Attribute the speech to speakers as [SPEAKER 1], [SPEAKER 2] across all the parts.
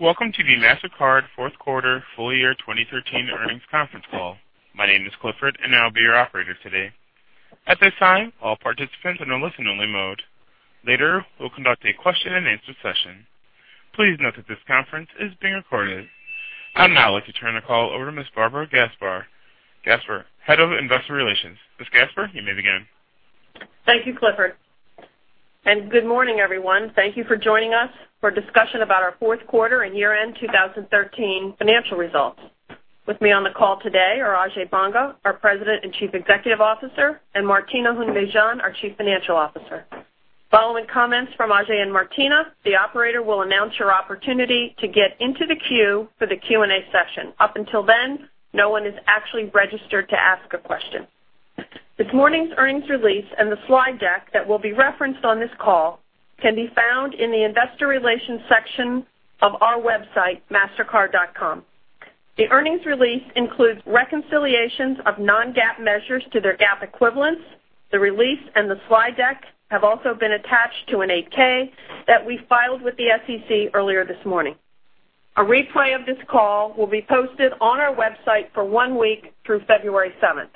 [SPEAKER 1] Welcome to the Mastercard fourth quarter full year 2013 earnings conference call. My name is Clifford, and I'll be your operator today. At this time, all participants are in listen only mode. Later, we'll conduct a question and answer session. Please note that this conference is being recorded. I'd now like to turn the call over to Ms. Barbara Gasper, Head of Investor Relations. Ms. Gasper, you may begin.
[SPEAKER 2] Thank you, Clifford, and good morning, everyone. Thank you for joining us for a discussion about our fourth quarter and year-end 2013 financial results. With me on the call today are Ajay Banga, our President and Chief Executive Officer, and Martina Hund-Mejean, our Chief Financial Officer. Following comments from Ajay and Martina, the operator will announce your opportunity to get into the queue for the Q&A session. Up until then, no one is actually registered to ask a question. This morning's earnings release and the slide deck that will be referenced on this call can be found in the investor relations section of our website, mastercard.com. The earnings release includes reconciliations of non-GAAP measures to their GAAP equivalents. The release and the slide deck have also been attached to an 8-K that we filed with the SEC earlier this morning. A replay of this call will be posted on our website for one week through February seventh.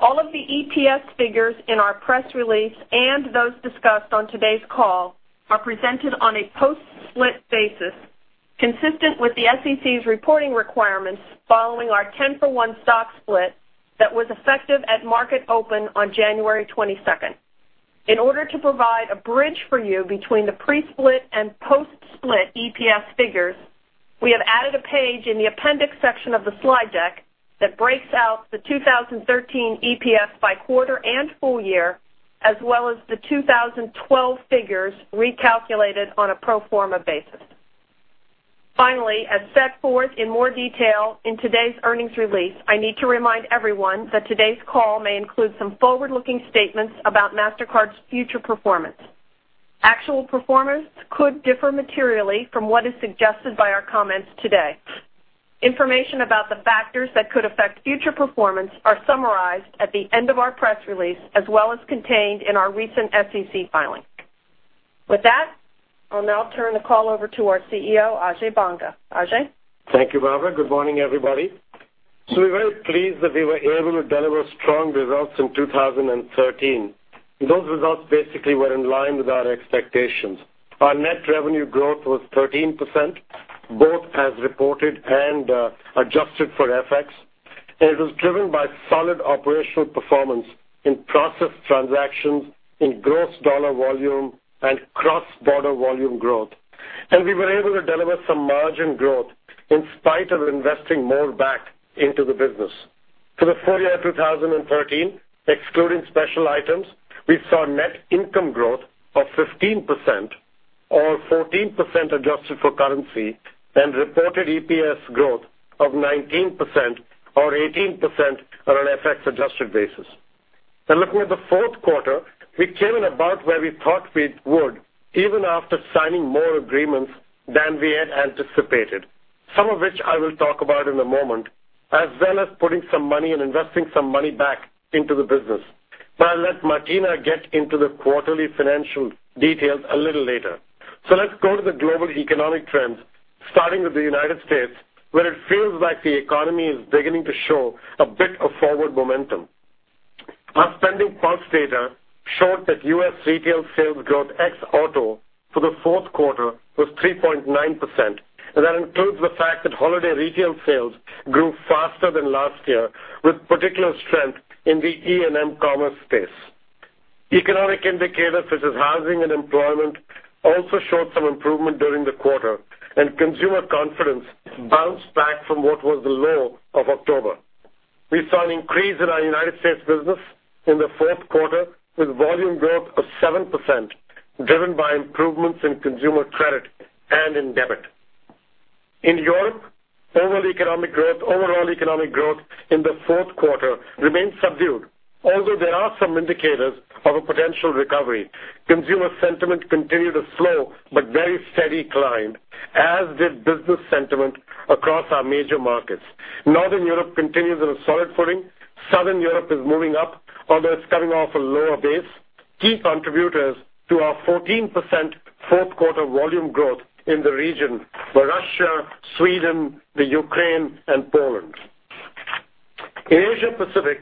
[SPEAKER 2] All of the EPS figures in our press release and those discussed on today's call are presented on a post-split basis, consistent with the SEC's reporting requirements following our 10-for-one stock split that was effective at market open on January 22nd. In order to provide a bridge for you between the pre-split and post-split EPS figures, we have added a page in the appendix section of the slide deck that breaks out the 2013 EPS by quarter and full year, as well as the 2012 figures recalculated on a pro forma basis. Finally, as set forth in more detail in today's earnings release, I need to remind everyone that today's call may include some forward-looking statements about Mastercard's future performance. Actual performance could differ materially from what is suggested by our comments today. Information about the factors that could affect future performance are summarized at the end of our press release, as well as contained in our recent SEC filing. With that, I'll now turn the call over to our CEO, Ajay Banga. Ajay.
[SPEAKER 3] Thank you, Barbara. Good morning, everybody. We're very pleased that we were able to deliver strong results in 2013. Those results basically were in line with our expectations. Our net revenue growth was 13%, both as reported and adjusted for FX. It was driven by solid operational performance in processed transactions, in gross dollar volume, and cross-border volume growth. We were able to deliver some margin growth in spite of investing more back into the business. For the full year 2013, excluding special items, we saw net income growth of 15%, or 14% adjusted for currency, and reported EPS growth of 19%, or 18% on an FX adjusted basis. Looking at the fourth quarter, we came in about where we thought we would, even after signing more agreements than we had anticipated, some of which I will talk about in a moment, as well as putting some money and investing some money back into the business. I'll let Martina get into the quarterly financial details a little later. Let's go to the global economic trends, starting with the United States, where it feels like the economy is beginning to show a bit of forward momentum. Our SpendingPulse data showed that U.S. retail sales growth ex-auto for the fourth quarter was 3.9%, and that includes the fact that holiday retail sales grew faster than last year, with particular strength in the E&M commerce space. Economic indicators such as housing and employment also showed some improvement during the quarter. Consumer confidence bounced back from what was the low of October. We saw an increase in our United States business in the fourth quarter, with volume growth of 7%, driven by improvements in consumer credit and in debit. In Europe, overall economic growth in the fourth quarter remained subdued, although there are some indicators of a potential recovery. Consumer sentiment continued a slow but very steady climb, as did business sentiment across our major markets. Northern Europe continues on a solid footing. Southern Europe is moving up, although it's coming off a lower base. Key contributors to our 14% fourth quarter volume growth in the region were Russia, Sweden, Ukraine, and Poland. In Asia Pacific,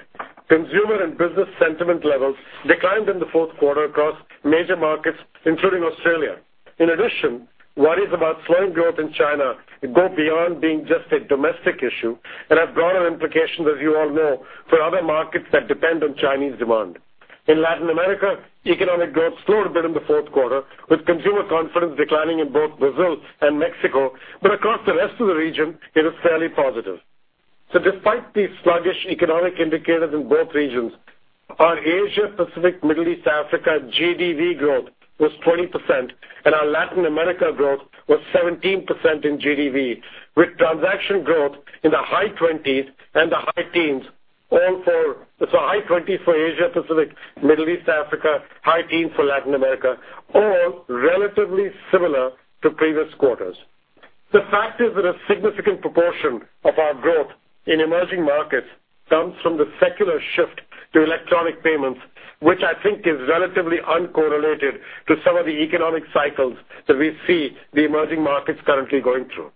[SPEAKER 3] consumer and business sentiment levels declined in the fourth quarter across major markets, including Australia. In addition, worries about slowing growth in China go beyond being just a domestic issue and have broader implications, as you all know, for other markets that depend on Chinese demand. In Latin America, economic growth slowed a bit in the fourth quarter, with consumer confidence declining in both Brazil and Mexico. Across the rest of the region, it is fairly positive. Despite these sluggish economic indicators in both regions, our Asia, Pacific, Middle East, Africa GDV growth was 20%, and our Latin America growth was 17% in GDV, with transaction growth in the high 20s and the high teens. High 20s for Asia, Pacific, Middle East, Africa, high teens for Latin America, all relatively similar to previous quarters. The fact is that a significant proportion of our growth in emerging markets comes from the secular shift to electronic payments, which I think is relatively uncorrelated to some of the economic cycles that we see the emerging markets currently going through.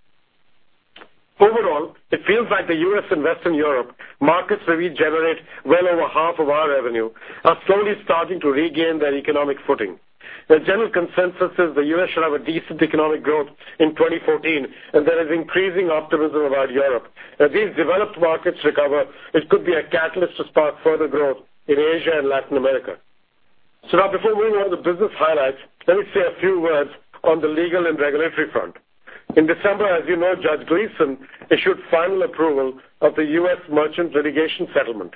[SPEAKER 3] Overall, it feels like the U.S. and Western Europe markets, where we generate well over half of our revenue, are slowly starting to regain their economic footing. The general consensus is the U.S. should have a decent economic growth in 2014, and there is increasing optimism about Europe. As these developed markets recover, it could be a catalyst to spark further growth in Asia and Latin America. Before we move on to business highlights, let me say a few words on the legal and regulatory front. In December, as you know, Judge Gleeson issued final approval of the U.S. merchant litigation settlement.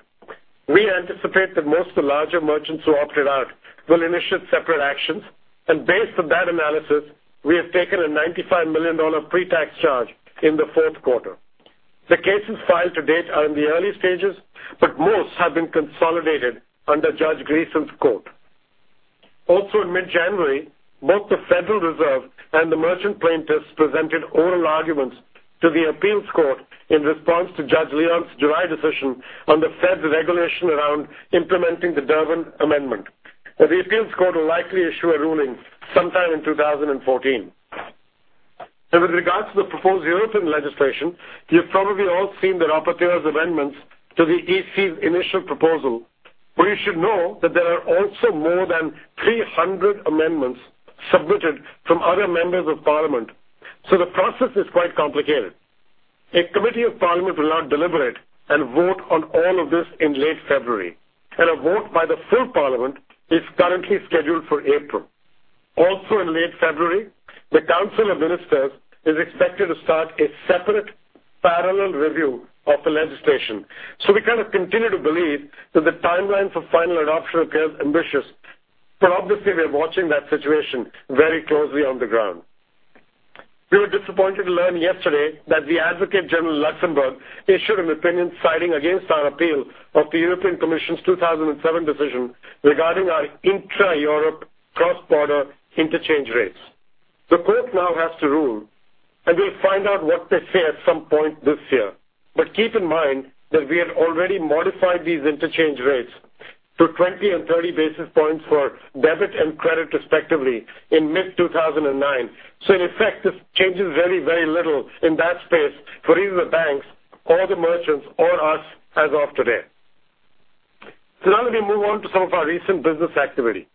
[SPEAKER 3] We anticipate that most of the larger merchants who opted out will initiate separate actions, and based on that analysis, we have taken a $95 million pre-tax charge in the fourth quarter. The cases filed to date are in the early stages, but most have been consolidated under Judge Gleeson's court. Also, in mid-January, both the Federal Reserve and the merchant plaintiffs presented oral arguments to the appeals court in response to Judge Leon's July decision on the Fed's regulation around implementing the Durbin Amendment. The appeals court will likely issue a ruling sometime in 2014. With regards to the proposed European legislation, you've probably all seen that rapporteurs amendments to the EC's initial proposal. But you should know that there are also more than 300 amendments submitted from other members of parliament. The process is quite complicated. A committee of parliament will now deliberate and vote on all of this in late February, and a vote by the full parliament is currently scheduled for April. Also, in late February, the Council of Ministers is expected to start a separate parallel review of the legislation. We kind of continue to believe that the timeline for final adoption appears ambitious, but obviously we are watching that situation very closely on the ground. We were disappointed to learn yesterday that the Advocate General Luxembourg issued an opinion citing against our appeal of the European Commission's 2007 decision regarding our intra-Europe cross-border interchange rates. The court now has to rule, and we'll find out what they say at some point this year. But keep in mind that we have already modified these interchange rates to 20 and 30 basis points for debit and credit, respectively, in mid-2009. In effect, this changes very little in that space for either the banks or the merchants or us as of today. Let me move on to some of our recent business activity.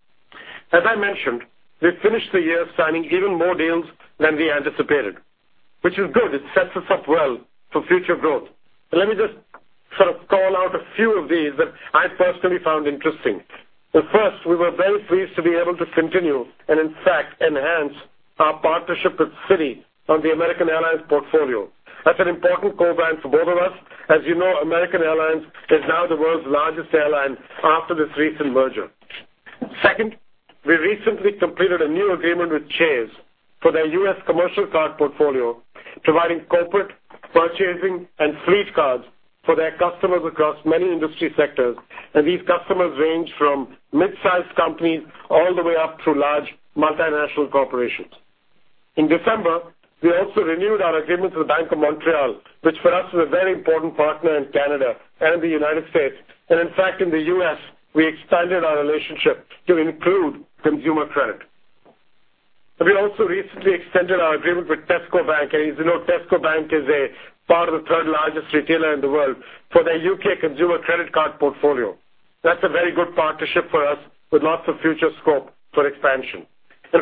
[SPEAKER 3] As I mentioned, we finished the year signing even more deals than we anticipated, which is good. It sets us up well for future growth. And let me just call out a few of these that I personally found interesting. Well, first, we were very pleased to be able to continue and in fact enhance our partnership with Citi on the American Airlines portfolio. That's an important co-brand for both of us. As you know, American Airlines is now the world's largest airline after this recent merger. Second, we recently completed a new agreement with Chase for their U.S. commercial card portfolio, providing corporate purchasing and fleet cards for their customers across many industry sectors. These customers range from mid-size companies all the way up to large multinational corporations. In December, we also renewed our agreement with the Bank of Montreal, which for us is a very important partner in Canada and the United States. In fact, in the U.S., we expanded our relationship to include consumer credit. We also recently extended our agreement with Tesco Bank. As you know, Tesco Bank is a part of the third-largest retailer in the world for their U.K. consumer credit card portfolio. That's a very good partnership for us, with lots of future scope for expansion.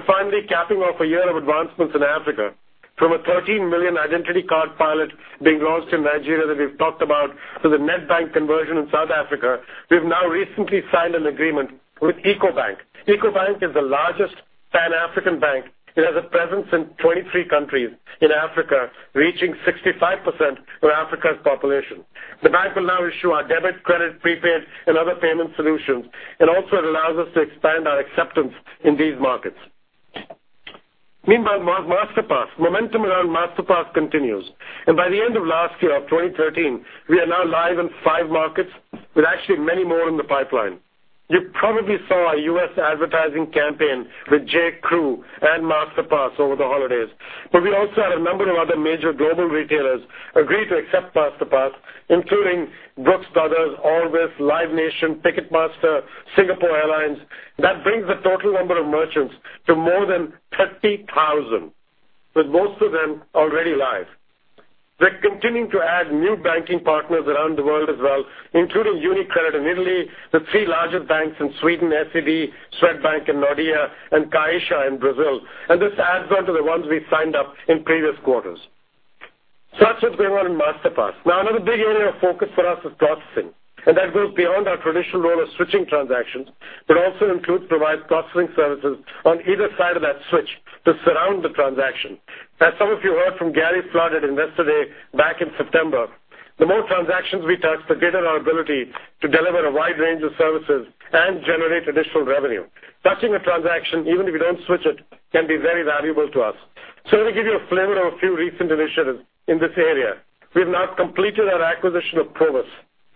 [SPEAKER 3] Finally, capping off a year of advancements in Africa from a 13-million identity card pilot being launched in Nigeria that we've talked about, to the Nedbank conversion in South Africa, we've now recently signed an agreement with Ecobank. Ecobank is the largest pan-African bank. It has a presence in 23 countries in Africa, reaching 65% of Africa's population. The bank will now issue our debit, credit, prepaid, and other payment solutions, and also it allows us to expand our acceptance in these markets. Meanwhile, Masterpass. Momentum around Masterpass continues. By the end of last year, of 2013, we are now live in five markets with actually many more in the pipeline. You probably saw a U.S. advertising campaign with J.Crew and Masterpass over the holidays, we also had a number of other major global retailers agree to accept Masterpass, including Brooks Brothers, Orvis, Live Nation, Ticketmaster, Singapore Airlines. That brings the total number of merchants to more than 30,000, with most of them already live. We're continuing to add new banking partners around the world as well, including UniCredit in Italy, the three largest banks in Sweden, SEB, Swedbank, and Nordea, and Caixa in Brazil. This adds on to the ones we signed up in previous quarters. That's what's going on in Masterpass. Another big area of focus for us is processing, that goes beyond our traditional role of switching transactions, also includes providing processing services on either side of that switch to surround the transaction. As some of you heard from Gary Flood Investor Day back in September, the more transactions we touch, the greater our ability to deliver a wide range of services and generate additional revenue. Touching a transaction, even if you don't switch it, can be very valuable to us. Let me give you a flavor of a few recent initiatives in this area. We have now completed our acquisition of Provus,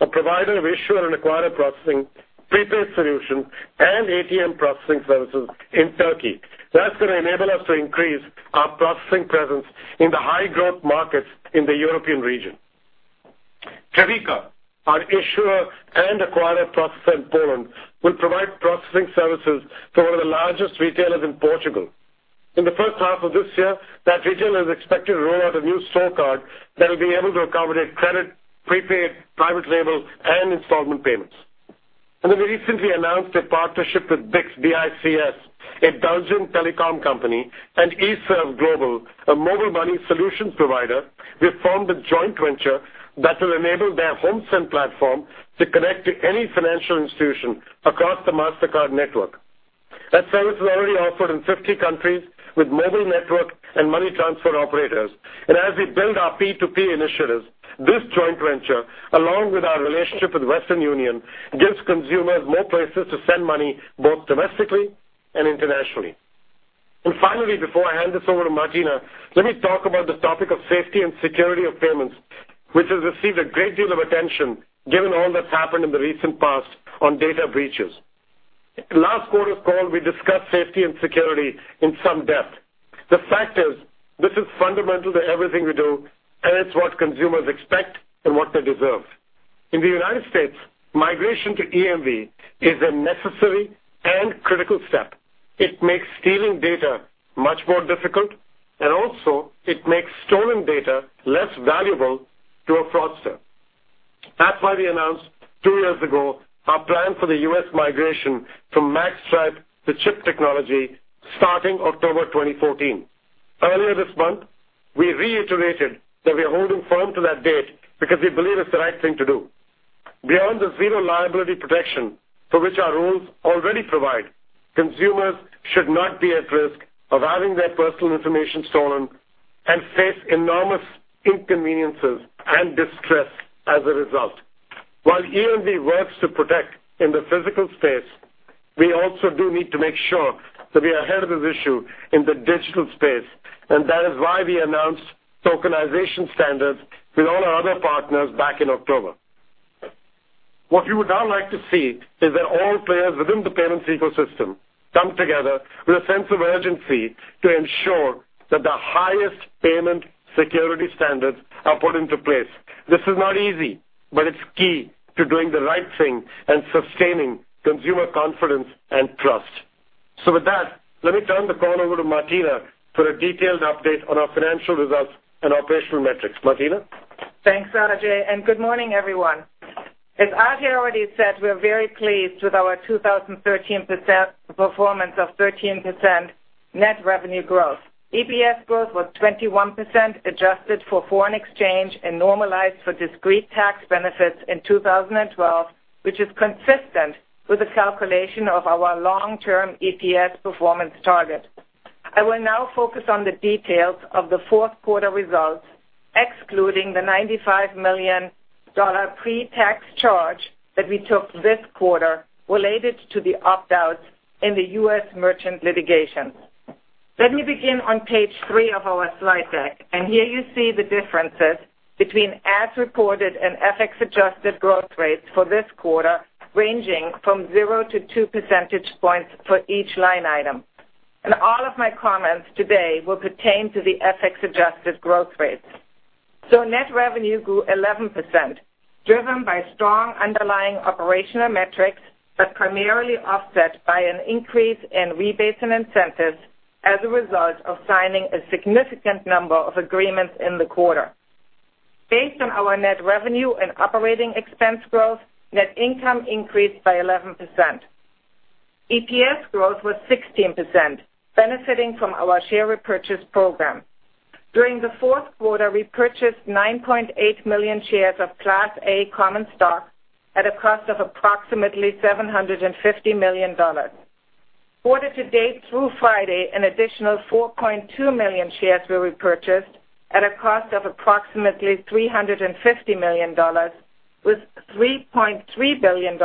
[SPEAKER 3] a provider of issuer and acquirer processing for prepaid solutions and ATM processing services in Turkey. That's going to enable us to increase our processing presence in the high-growth markets in the European region. Trevica, our issuer and acquirer processor in Poland, will provide processing services for one of the largest retailers in Portugal. In the first half of this year, that retailer is expected to roll out a new store card that'll be able to accommodate credit, prepaid, private label, and installment payments. We recently announced a partnership with BICS, B-I-C-S, a Belgian telecom company, and eServGlobal, a mobile money solutions provider. We have formed a joint venture that will enable their HomeSend platform to connect to any financial institution across the Mastercard network. That service is already offered in 50 countries with mobile network and money transfer operators. As we build our P2P initiatives, this joint venture, along with our relationship with Western Union, gives consumers more places to send money, both domestically and internationally. Finally, before I hand this over to Martina, let me talk about this topic of safety and security of payments, which has received a great deal of attention given all that's happened in the recent past on data breaches. Last quarter's call, we discussed safety and security in some depth. The fact is, this is fundamental to everything we do, and it's what consumers expect and what they deserve. In the U.S., migration to EMV is a necessary and critical step. It makes stealing data much more difficult, and also it makes stolen data less valuable to a fraudster. That's why we announced two years ago our plan for the U.S. migration from magstripe to chip technology starting October 2014. Earlier this month, we reiterated that we are holding firm to that date because we believe it's the right thing to do. Beyond the zero liability protection for which our rules already provide, consumers should not be at risk of having their personal information stolen and face enormous inconveniences and distress as a result. While EMV works to protect in the physical space, we also do need to make sure that we are ahead of this issue in the digital space, and that is why we announced tokenization standards with all our other partners back in October. What we would now like to see is that all players within the payments ecosystem come together with a sense of urgency to ensure that the highest payment security standards are put into place. This is not easy, but it's key to doing the right thing and sustaining consumer confidence and trust. With that, let me turn the call over to Martina for a detailed update on our financial results and operational metrics. Martina?
[SPEAKER 4] Thanks, Ajay, and good morning, everyone. As Ajay already said, we are very pleased with our 2013 performance of 13% net revenue growth. EPS growth was 21% adjusted for foreign exchange and normalized for discrete tax benefits in 2012, which is consistent with the calculation of our long-term EPS performance target. I will now focus on the details of the fourth quarter results, excluding the $95 million pre-tax charge that we took this quarter related to the opt-out in the U.S. merchant litigation. Let me begin on page three of our slide deck, here you see the differences between as reported and FX-adjusted growth rates for this quarter, ranging from zero to two percentage points for each line item. All of my comments today will pertain to the FX-adjusted growth rates. Net revenue grew 11%, driven by strong underlying operational metrics, primarily offset by an increase in rebates and incentives as a result of signing a significant number of agreements in the quarter. Based on our net revenue and operating expense growth, net income increased by 11%. EPS growth was 16%, benefiting from our share repurchase program. During the fourth quarter, we purchased 9.8 million shares of Class A common stock at a cost of approximately $750 million. Quarter to date through Friday, an additional 4.2 million shares were repurchased at a cost of approximately $350 million, with $3.3 billion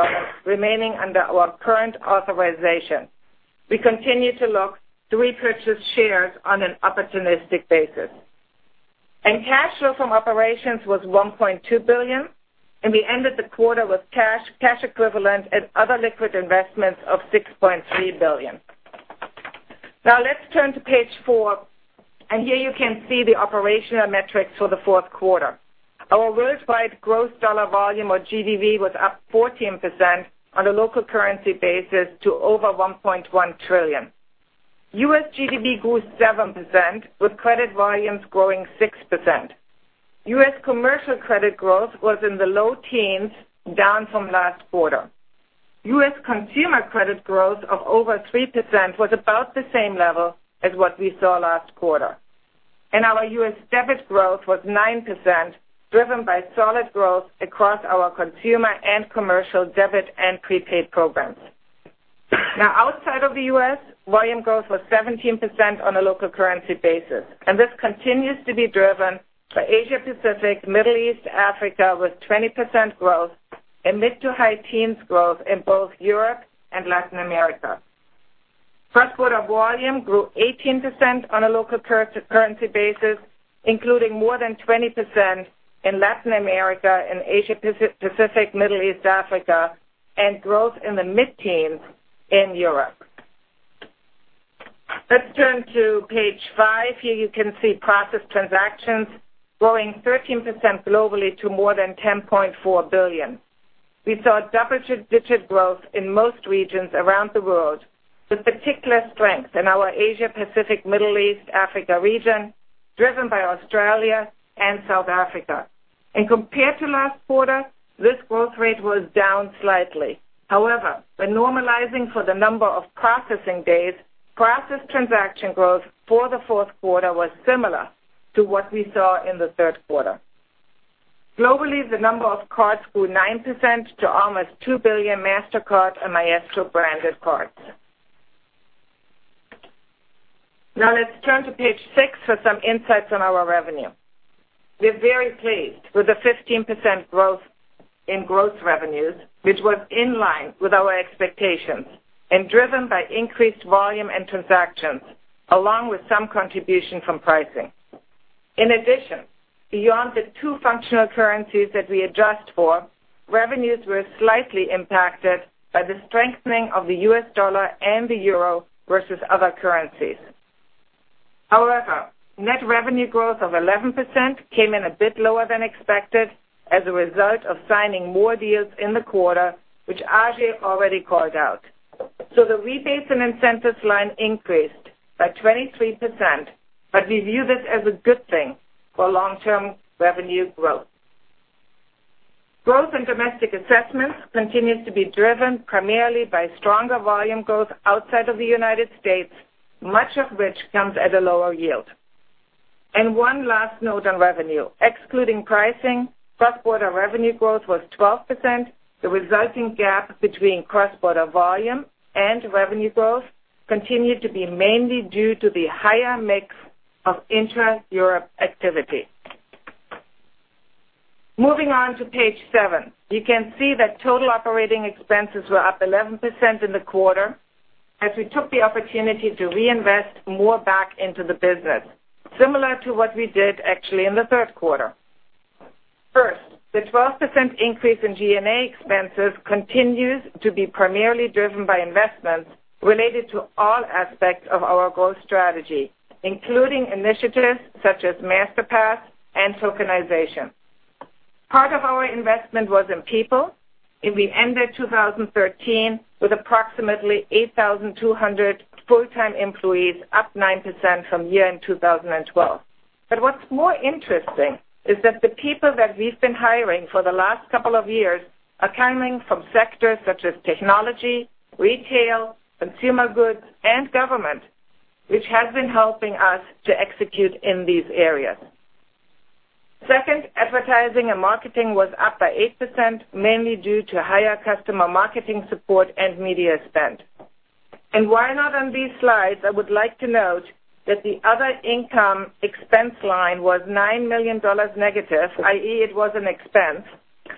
[SPEAKER 4] remaining under our current authorization. We continue to look to repurchase shares on an opportunistic basis. Cash flow from operations was $1.2 billion, and we ended the quarter with cash equivalent, and other liquid investments of $6.3 billion. Let's turn to page four, here you can see the operational metrics for the fourth quarter. Our worldwide gross dollar volume, or GDV, was up 14% on a local currency basis to over $1.1 trillion. U.S. GDV grew 7%, with credit volumes growing 6%. U.S. commercial credit growth was in the low teens, down from last quarter. U.S. consumer credit growth of over 3% was about the same level as what we saw last quarter. Our U.S. debit growth was 9%, driven by solid growth across our consumer and commercial debit and prepaid programs. Outside of the U.S., volume growth was 17% on a local currency basis, and this continues to be driven by Asia-Pacific, Middle East, Africa, with 20% growth and mid to high teens growth in both Europe and Latin America. Cross-border volume grew 18% on a local currency basis, including more than 20% in Latin America and Asia-Pacific, Middle East, Africa, and growth in the mid-teens in Europe. Let's turn to page five. Here you can see processed transactions growing 13% globally to more than 10.4 billion. We saw double-digit growth in most regions around the world, with particular strength in our Asia-Pacific, Middle East, Africa region, driven by Australia and South Africa. Compared to last quarter, this growth rate was down slightly. However, when normalizing for the number of processing days, processed transaction growth for the fourth quarter was similar to what we saw in the third quarter. Globally, the number of cards grew 9% to almost 2 billion Mastercard and Maestro branded cards. Let's turn to page six for some insights on our revenue. We're very pleased with the 15% growth in growth revenues, which was in line with our expectations and driven by increased volume and transactions, along with some contribution from pricing. In addition, beyond the two functional currencies that we adjust for, revenues were slightly impacted by the strengthening of the U.S. dollar and the euro versus other currencies. Net revenue growth of 11% came in a bit lower than expected as a result of signing more deals in the quarter, which Ajay already called out. The rebates and incentives line increased by 23%, we view this as a good thing for long-term revenue growth. Growth in domestic assessments continues to be driven primarily by stronger volume growth outside of the United States, much of which comes at a lower yield. One last note on revenue. Excluding pricing, cross-border revenue growth was 12%. The resulting gap between cross-border volume and revenue growth continued to be mainly due to the higher mix of intra-Europe activity. Moving on to page seven. You can see that total operating expenses were up 11% in the quarter as we took the opportunity to reinvest more back into the business, similar to what we did actually in the third quarter. First, the 12% increase in G&A expenses continues to be primarily driven by investments related to all aspects of our growth strategy, including initiatives such as Masterpass and tokenization. Part of our investment was in people, and we ended 2013 with approximately 8,200 full-time employees, up 9% from year-end 2012. What's more interesting is that the people that we've been hiring for the last couple of years are coming from sectors such as technology, retail, consumer goods, and government, which has been helping us to execute in these areas. Second, advertising and marketing was up by 8%, mainly due to higher customer marketing support and media spend. Why not on these slides, I would like to note that the other income expense line was $9 million negative, i.e., it was an expense,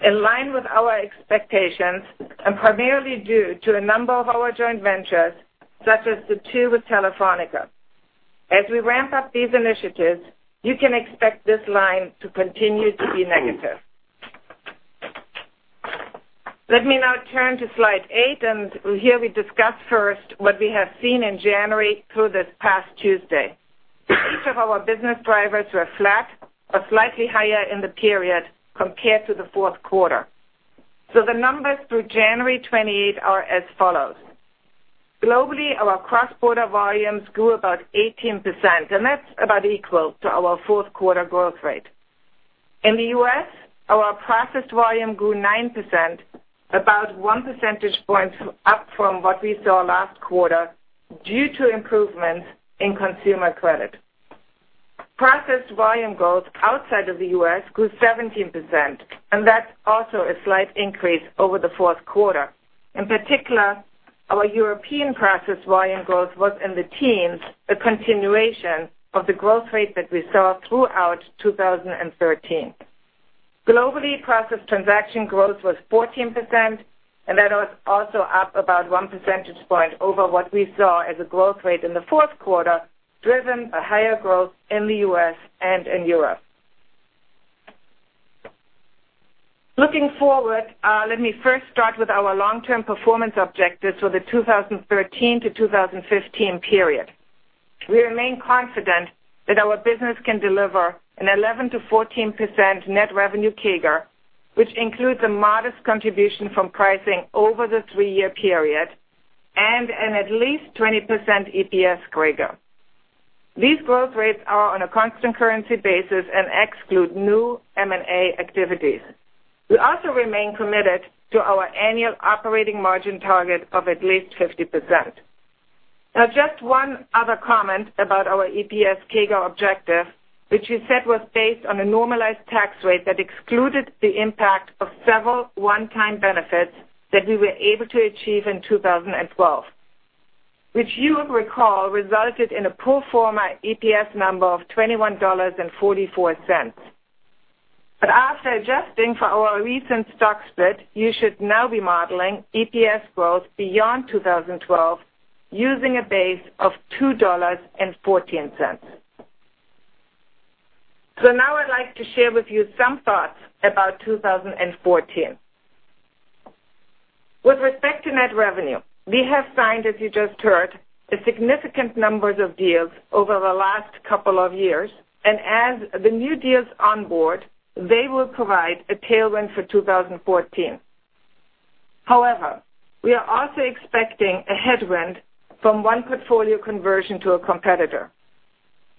[SPEAKER 4] in line with our expectations and primarily due to a number of our joint ventures, such as the two with Telefónica. As we ramp up these initiatives, you can expect this line to continue to be negative. Let me now turn to slide eight, here we discuss first what we have seen in January through this past Tuesday. Each of our business drivers were flat or slightly higher in the period compared to the fourth quarter. The numbers through January 28 are as follows. Globally, our cross-border volumes grew about 18%, that's about equal to our fourth quarter growth rate. In the U.S., our processed volume grew 9%, about one percentage point up from what we saw last quarter due to improvements in consumer credit. Processed volume growth outside of the U.S. grew 17%, that's also a slight increase over the fourth quarter. In particular, our European processed volume growth was in the teens, a continuation of the growth rate that we saw throughout 2013. Globally, processed transaction growth was 14%, that was also up about one percentage point over what we saw as a growth rate in the fourth quarter, driven by higher growth in the U.S. and in Europe. Looking forward, let me first start with our long-term performance objectives for the 2013 to 2015 period. We remain confident that our business can deliver an 11%-14% net revenue CAGR, which includes a modest contribution from pricing over the three-year period and an at least 20% EPS CAGR. These growth rates are on a constant currency basis and exclude new M&A activities. We also remain committed to our annual operating margin target of at least 50%. Just one other comment about our EPS CAGR objective, which you said was based on a normalized tax rate that excluded the impact of several one-time benefits that we were able to achieve in 2012, which you will recall resulted in a pro forma EPS number of $21.44. After adjusting for our recent stock split, you should now be modeling EPS growth beyond 2012 using a base of $2.14. Now I'd like to share with you some thoughts about 2014. With respect to net revenue, we have signed, as you just heard, a significant numbers of deals over the last couple of years, and as the new deals onboard, they will provide a tailwind for 2014. However, we are also expecting a headwind from one portfolio conversion to a competitor.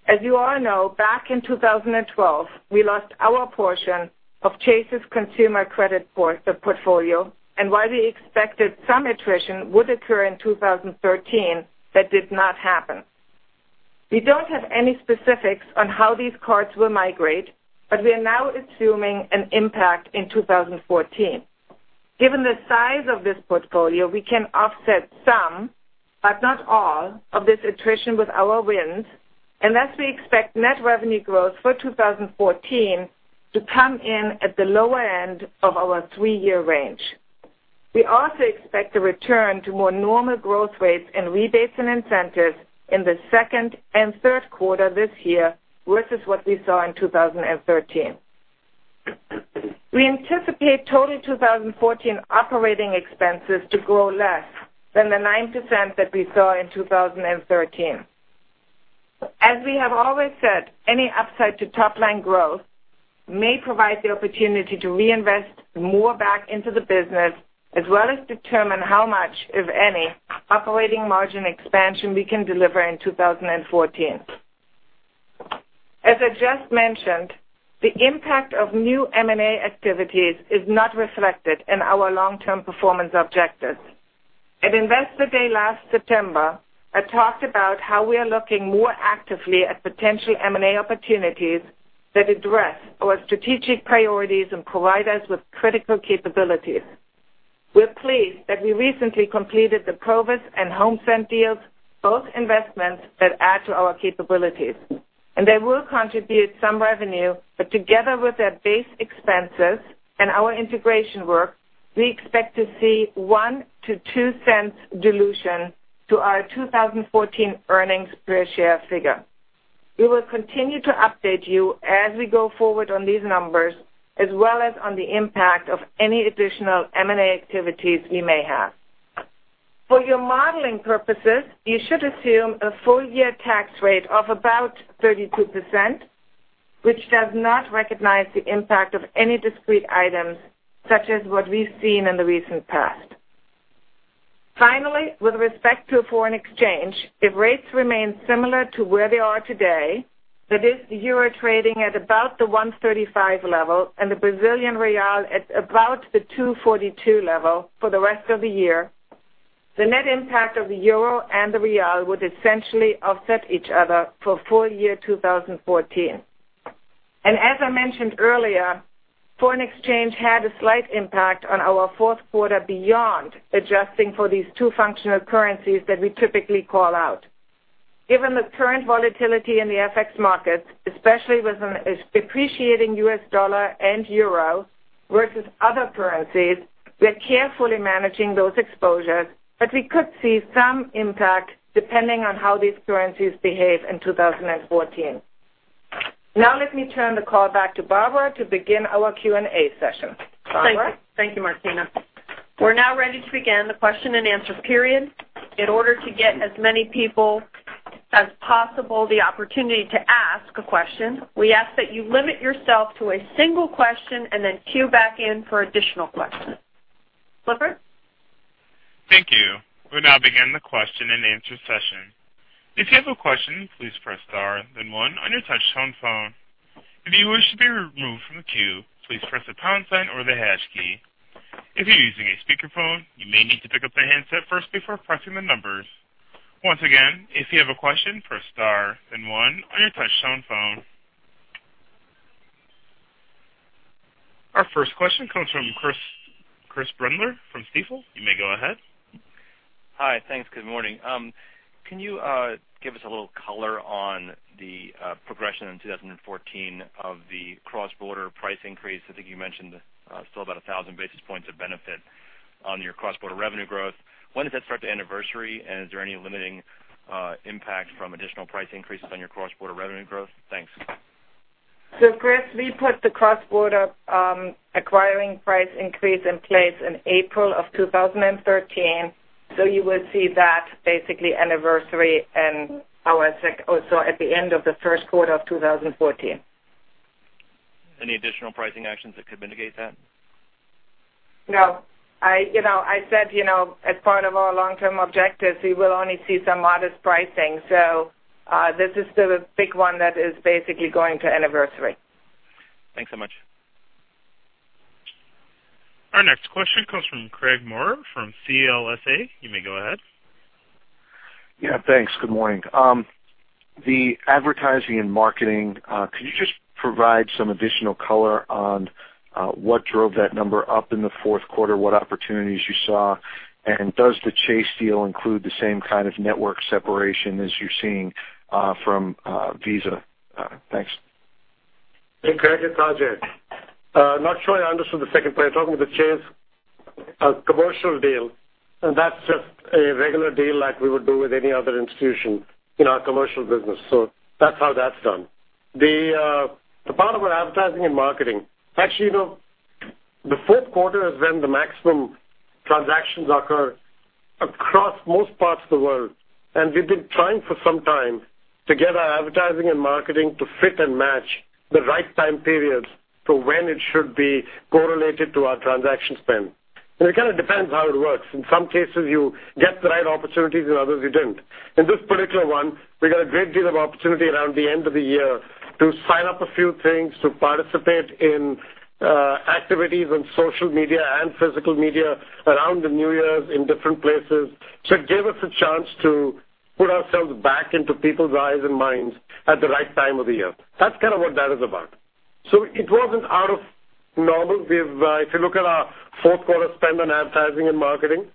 [SPEAKER 4] As you all know, back in 2012, we lost our portion of Chase's consumer credit portfolio, and while we expected some attrition would occur in 2013, that did not happen. We don't have any specifics on how these cards will migrate, but we are now assuming an impact in 2014. Given the size of this portfolio, we can offset some, but not all, of this attrition with our wins, thus we expect net revenue growth for 2014 to come in at the lower end of our three-year range. We also expect a return to more normal growth rates and rebates and incentives in the second and third quarter this year versus what we saw in 2013. We anticipate total 2014 operating expenses to grow less than the nine % that we saw in 2013. As we have always said, any upside to top-line growth may provide the opportunity to reinvest more back into the business as well as determine how much, if any, operating margin expansion we can deliver in 2014. As I just mentioned, the impact of new M&A activities is not reflected in our long-term performance objectives. At Investor Day last September, I talked about how we are looking more actively at potential M&A opportunities that address our strategic priorities and provide us with critical capabilities. We're pleased that we recently completed the Provus and HomeSend deals, both investments that add to our capabilities. They will contribute some revenue, but together with their base expenses and our integration work, we expect to see $0.01-$0.02 dilution to our 2014 earnings per share figure. We will continue to update you as we go forward on these numbers, as well as on the impact of any additional M&A activities we may have. For your modeling purposes, you should assume a full-year tax rate of about 32%, which does not recognize the impact of any discrete items such as what we've seen in the recent past. Finally, with respect to foreign exchange, if rates remain similar to where they are today, that is the EUR trading at about the 135 level and the BRL at about the 242 level for the rest of the year, the net impact of the EUR and the BRL would essentially offset each other for full-year 2014. As I mentioned earlier, foreign exchange had a slight impact on our fourth quarter beyond adjusting for these two functional currencies that we typically call out. Given the current volatility in the FX markets, especially with an depreciating U.S. dollar and EUR versus other currencies, we're carefully managing those exposures, but we could see some impact depending on how these currencies behave in 2014. Now let me turn the call back to Barbara to begin our Q&A session. Barbara?
[SPEAKER 2] Thank you, Martina. We're now ready to begin the question-and-answer period. In order to get as many people as possible the opportunity to ask a question, we ask that you limit yourself to a single question and then queue back in for additional questions. Clifford?
[SPEAKER 1] Thank you. We'll now begin the question-and-answer session. If you have a question, please press star then one on your touchtone phone. If you wish to be removed from the queue, please press the pound sign or the hash key. If you're using a speakerphone, you may need to pick up the handset first before pressing the numbers. Once again, if you have a question, press star then one on your touchtone phone. Our first question comes from Chris Brendler from Stifel. You may go ahead.
[SPEAKER 5] Hi. Thanks. Good morning. Can you give us a little color on the progression in 2014 of the cross-border price increase? I think you mentioned still about 1,000 basis points of benefit on your cross-border revenue growth. When does that start to anniversary, and is there any limiting impact from additional price increases on your cross-border revenue growth? Thanks.
[SPEAKER 4] Chris, we put the cross-border acquiring price increase in place in April of 2013, you will see that basically anniversary at the end of the first quarter of 2014.
[SPEAKER 5] Any additional pricing actions that could mitigate that?
[SPEAKER 4] No. I said as part of our long-term objectives, we will only see some modest pricing, so this is still a big one that is basically going to anniversary.
[SPEAKER 5] Thanks so much.
[SPEAKER 1] Our next question comes from Craig Maurer from CLSA. You may go ahead.
[SPEAKER 6] Thanks. Good morning. The advertising and marketing, could you just provide some additional color on what drove that number up in the fourth quarter, what opportunities you saw, and does the Chase deal include the same kind of network separation as you're seeing from Visa? Thanks.
[SPEAKER 3] Hey, Craig, it's Ajay. I'm not sure I understood the second part. You're talking about the Chase commercial deal. That's just a regular deal like we would do with any other institution in our commercial business. That's how that's done. The part about advertising and marketing, actually, the fourth quarter is when the maximum transactions occur across most parts of the world. We've been trying for some time to get our advertising and marketing to fit and match the right time periods to when it should be correlated to our transaction spend. It kind of depends how it works. In some cases, you get the right opportunities and others you don't. In this particular one, we got a great deal of opportunity around the end of the year to sign up a few things, to participate in activities on social media and physical media around the New Year's in different places. It gave us a chance to put ourselves back into people's eyes and minds at the right time of the year. That's kind of what that is about. It wasn't out of normal. If you look at our fourth quarter spend on advertising and marketing,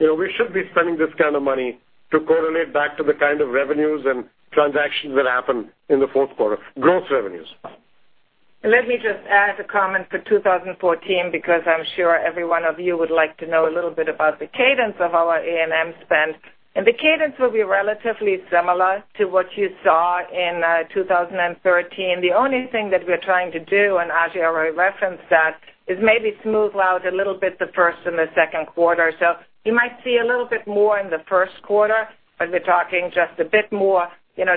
[SPEAKER 3] we should be spending this kind of money to correlate back to the kind of revenues and transactions that happen in the fourth quarter, gross revenues.
[SPEAKER 4] Let me just add a comment for 2014, because I'm sure every one of you would like to know a little bit about the cadence of our A&M spend. The cadence will be relatively similar to what you saw in 2013. The only thing that we're trying to do, and Ajay already referenced that, is maybe smooth out a little bit the first and the second quarter. You might see a little bit more in the first quarter, but we're talking just a bit more,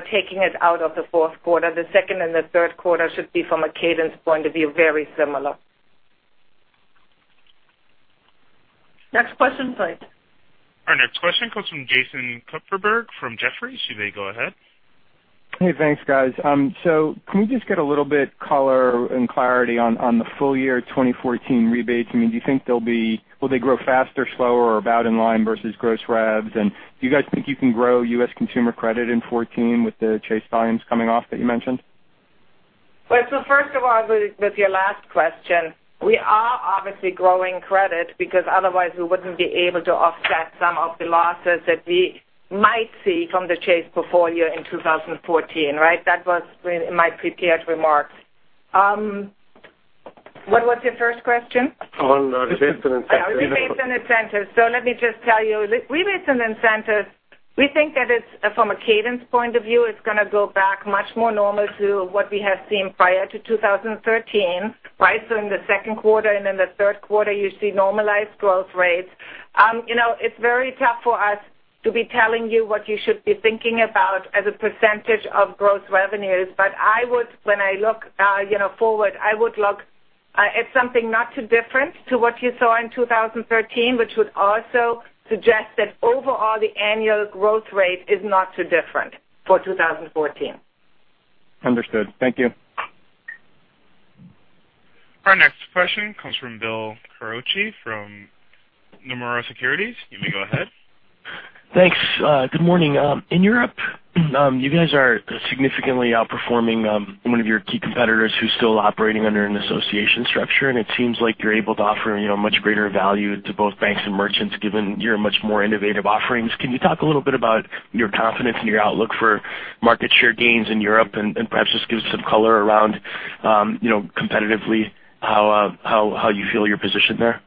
[SPEAKER 4] taking it out of the fourth quarter. The second and the third quarter should be from a cadence point of view, very similar. Next question, please.
[SPEAKER 1] Our next question comes from Jason Kupferberg from Jefferies. You may go ahead.
[SPEAKER 7] Can we just get a little bit color and clarity on the full year 2014 rebates? I mean, will they grow faster, slower, or about in line versus gross revs? Do you guys think you can grow U.S. consumer credit in 2014 with the Chase volumes coming off that you mentioned?
[SPEAKER 4] First of all, with your last question, we are obviously growing credit because otherwise we wouldn't be able to offset some of the losses that we might see from the Chase portfolio in 2014, right? That was in my prepared remarks. What was your first question?
[SPEAKER 3] On rebates and incentives.
[SPEAKER 4] Rebates and incentives. Let me just tell you. Rebates and incentives, we think that from a cadence point of view, it is going to go back much more normal to what we have seen prior to 2013, right? In the second quarter and in the third quarter, you see normalized growth rates. It is very tough for us to be telling you what you should be thinking about as a percentage of gross revenues. When I look forward, I would look at something not too different to what you saw in 2013, which would also suggest that overall, the annual growth rate is not too different for 2014.
[SPEAKER 7] Understood. Thank you.
[SPEAKER 1] Our next question comes from Bill Carcache from Nomura Securities. You may go ahead.
[SPEAKER 8] Thanks. Good morning. In Europe, you guys are significantly outperforming one of your key competitors who is still operating under an association structure, and it seems like you are able to offer much greater value to both banks and merchants, given your much more innovative offerings. Can you talk a little bit about your confidence and your outlook for market share gains in Europe and perhaps just give some color around competitively how you feel you are positioned there?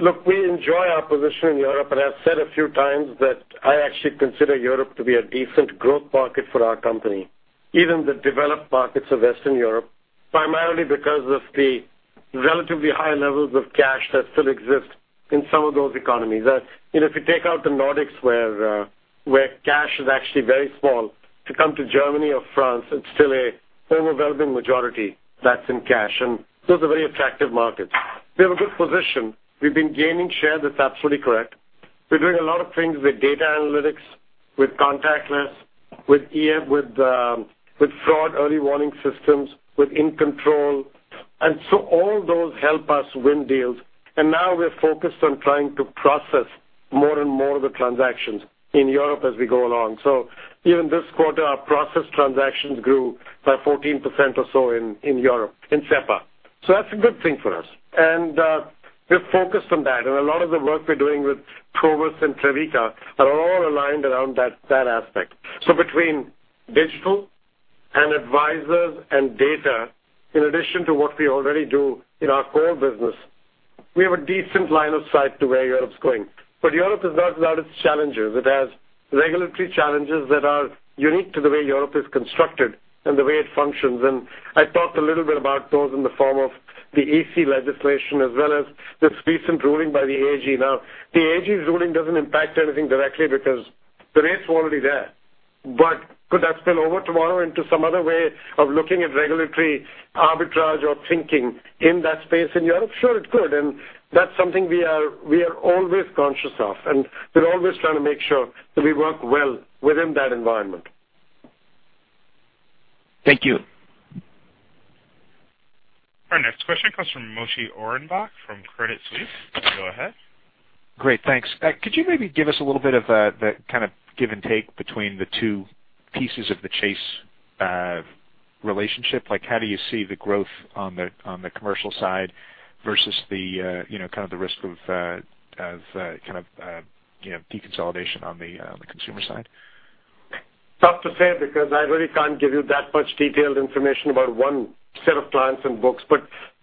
[SPEAKER 3] Look, we enjoy our position in Europe, I've said a few times that I actually consider Europe to be a decent growth market for our company, even the developed markets of Western Europe, primarily because of the relatively high levels of cash that still exist in some of those economies. If you take out the Nordics, where cash is actually very small to come to Germany or France, it's still an overwhelming majority that's in cash. Those are very attractive markets. We have a good position. We've been gaining share. That's absolutely correct. We're doing a lot of things with data analytics, with contactless, with fraud early warning systems, with inControl. All those help us win deals. Now we're focused on trying to process more and more of the transactions in Europe as we go along. Even this quarter, our processed transactions grew by 14% or so in Europe, in SEPA. That's a good thing for us. We're focused on that. A lot of the work we're doing with Provus and Trevica are all aligned around that aspect. Between digital and advisors and data, in addition to what we already do in our core business, we have a decent line of sight to where Europe's going. Europe is not without its challenges. It has regulatory challenges that are unique to the way Europe is constructed and the way it functions. I talked a little bit about those in the form of the EC legislation as well as this recent ruling by the AG. The AG's ruling doesn't impact anything directly because the rates were already there. Could that spill over tomorrow into some other way of looking at regulatory arbitrage or thinking in that space in Europe? Sure, it could, that's something we are always conscious of, we're always trying to make sure that we work well within that environment.
[SPEAKER 8] Thank you.
[SPEAKER 1] Our next question comes from Moshe Orenbuch from Credit Suisse. Go ahead.
[SPEAKER 9] Great. Thanks. Could you maybe give us a little bit of the give and take between the two pieces of the Chase relationship? How do you see the growth on the commercial side versus the risk of deconsolidation on the consumer side?
[SPEAKER 3] It's tough to say, because I really can't give you that much detailed information about one set of clients and books.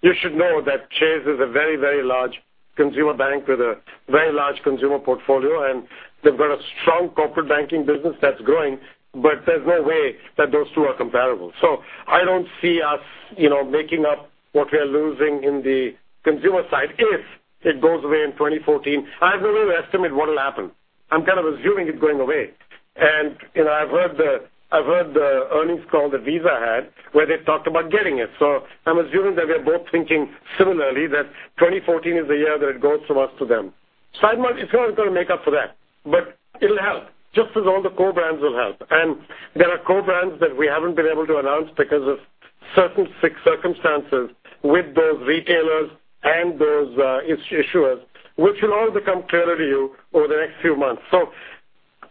[SPEAKER 3] You should know that Chase is a very large consumer bank with a very large consumer portfolio, and they've got a strong corporate banking business that's growing, but there's no way that those two are comparable. I don't see us making up what we are losing in the consumer side if it goes away in 2014. I have no way to estimate what will happen. I'm kind of assuming it going away. I've heard the earnings call that Visa had, where they talked about getting it. I'm assuming that we are both thinking similarly, that 2014 is the year that it goes from us to them. Sidemark, it's not going to make up for that, but it'll help, just as all the co-brands will help. There are co-brands that we haven't been able to announce because of certain circumstances with those retailers and those issuers, which will all become clearer to you over the next few months.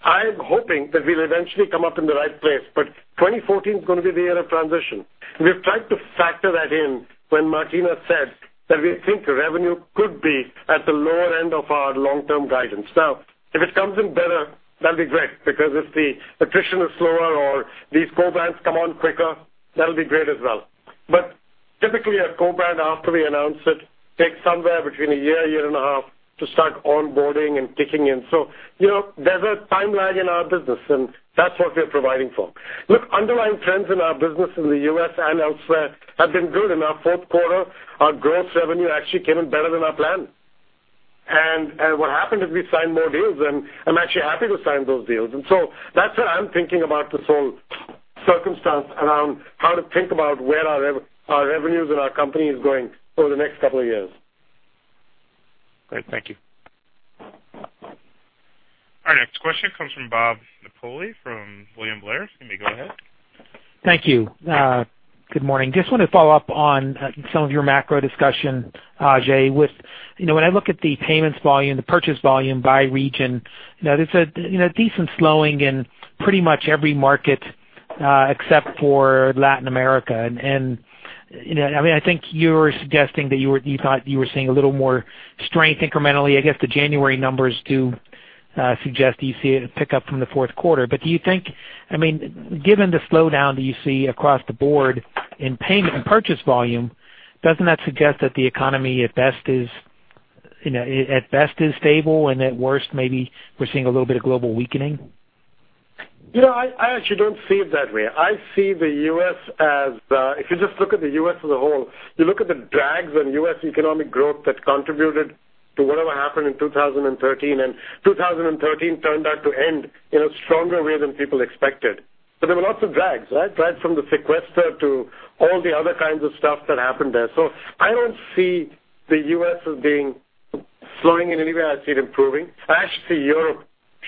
[SPEAKER 3] I'm hoping that we'll eventually come up in the right place. 2014 is going to be the year of transition. We've tried to factor that in when Martina said that we think revenue could be at the lower end of our long-term guidance. If it comes in better, that'll be great, because if the attrition is slower or these co-brands come on quicker, that'll be great as well. Typically, a co-brand, after we announce it, takes somewhere between a year and a half to start onboarding and kicking in. There's a timeline in our business, and that's what we're providing for. Look, underlying trends in our business in the U.S. and elsewhere have been good. In our fourth quarter, our gross revenue actually came in better than our plan. What happened is we signed more deals, I'm actually happy to sign those deals. That's why I'm thinking about this whole circumstance around how to think about where our revenues and our company is going over the next couple of years.
[SPEAKER 9] Great. Thank you.
[SPEAKER 1] Our next question comes from Bob Napoli from William Blair. You may go ahead.
[SPEAKER 10] Thank you. Good morning. Just want to follow up on some of your macro discussion, Ajay. When I look at the payments volume, the purchase volume by region, there's a decent slowing in pretty much every market except for Latin America. I think you were suggesting that you thought you were seeing a little more strength incrementally. I guess the January numbers do suggest you see a pickup from the fourth quarter. Do you think, given the slowdown that you see across the board in payment and purchase volume, doesn't that suggest that the economy, at best, is stable and at worst, maybe we're seeing a little bit of global weakening?
[SPEAKER 3] I actually don't see it that way. If you just look at the U.S. as a whole, you look at the drags on U.S. economic growth that contributed to whatever happened in 2013, and 2013 turned out to end in a stronger way than people expected. There were lots of drags, right? Drags from the sequester to all the other kinds of stuff that happened there. I don't see the U.S. as slowing in any way. I see it improving. I actually see Europe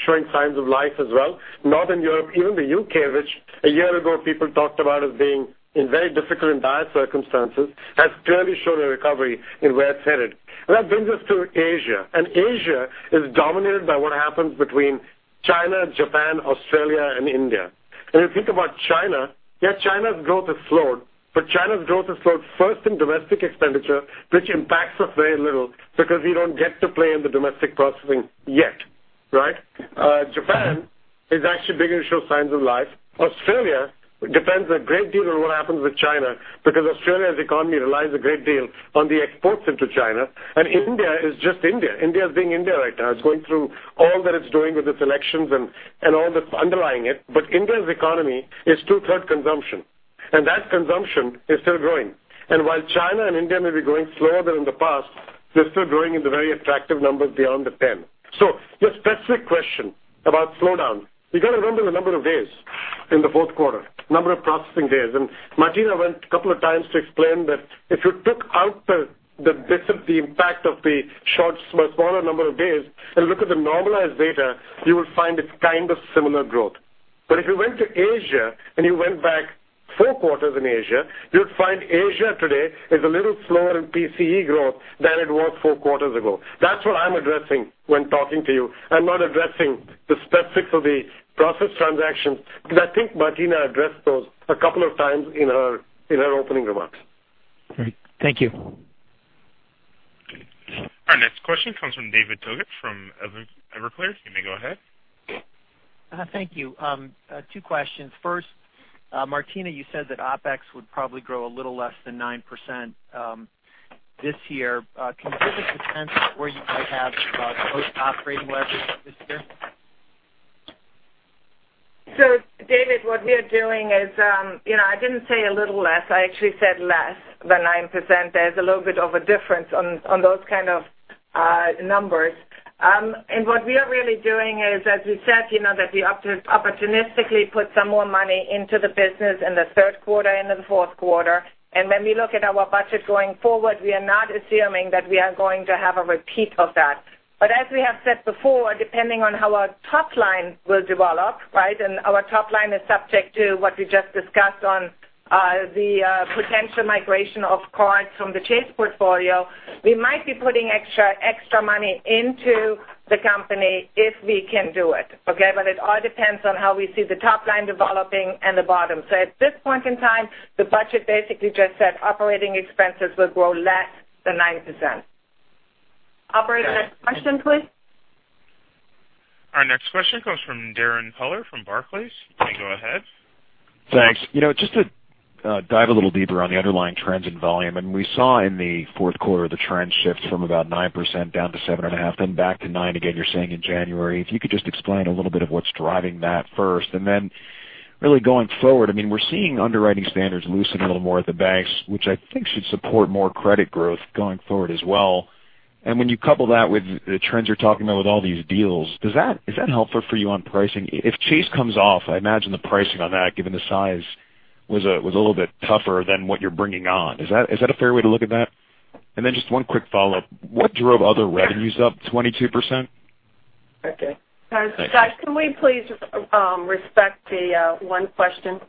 [SPEAKER 3] showing signs of life as well. Northern Europe, even the U.K., which a year ago people talked about as being in very difficult and dire circumstances, has clearly shown a recovery in where it's headed. That brings us to Asia. Asia is dominated by what happens between China, Japan, Australia, and India. If you think about China, yes, China's growth has slowed, but China's growth has slowed first in domestic expenditure, which impacts us very little because we don't get to play in the domestic processing yet. Japan is actually beginning to show signs of life. Australia depends a great deal on what happens with China because Australia's economy relies a great deal on the exports into China. India is just India. India is being India right now. It's going through all that it's doing with its elections and all that's underlying it. But India's economy is two-thirds consumption, and that consumption is still growing. While China and India may be growing slower than in the past, they're still growing in the very attractive numbers beyond the 10. Your specific question about slowdown. You got to remember the number of days in the fourth quarter, number of processing days. Martina went a couple of times to explain that if you took out the bits of the impact of the smaller number of days and look at the normalized data, you will find it kind of similar growth. But if you went to Asia and you went back four quarters in Asia, you would find Asia today is a little slower in PCE growth than it was four quarters ago. That's what I'm addressing when talking to you. I'm not addressing the specifics of the processed transactions because I think Martina addressed those a couple of times in her opening remarks.
[SPEAKER 10] Great. Thank you.
[SPEAKER 1] Our next question comes from David Togut from Evercore. You may go ahead.
[SPEAKER 11] Thank you. Two questions. First, Martina, you said that OpEx would probably grow a little less than 9% this year. Can you give us a sense of where you might have both operating leverage this year?
[SPEAKER 4] David, what we are doing is, I didn't say a little less. I actually said less than 9%. There's a little bit of a difference on those kind of numbers. What we are really doing is, as we said, that we opportunistically put some more money into the business in the third quarter and in the fourth quarter. When we look at our budget going forward, we are not assuming that we are going to have a repeat of that. As we have said before, depending on how our top line will develop, and our top line is subject to what we just discussed on the potential migration of cards from the Chase portfolio, we might be putting extra money into the company if we can do it. Okay? It all depends on how we see the top line developing and the bottom. At this point in time, the budget basically just said operating expenses will grow less than 9%. Operator, next question please.
[SPEAKER 1] Our next question comes from Darrin Peller from Barclays. You may go ahead.
[SPEAKER 12] Thanks. Just to dive a little deeper on the underlying trends in volume, we saw in the fourth quarter the trend shift from about 9% down to 7.5%, then back to 9% again, you're saying in January. If you could just explain a little bit of what's driving that first. Really going forward, we're seeing underwriting standards loosen a little more at the banks, which I think should support more credit growth going forward as well. When you couple that with the trends you're talking about with all these deals, is that helpful for you on pricing? If Chase comes off, I imagine the pricing on that, given the size, was a little bit tougher than what you're bringing on. Is that a fair way to look at that? Just one quick follow-up. What drove other revenues up 22%?
[SPEAKER 4] Okay.
[SPEAKER 12] Thanks.
[SPEAKER 2] Darrin, can we please respect the one question?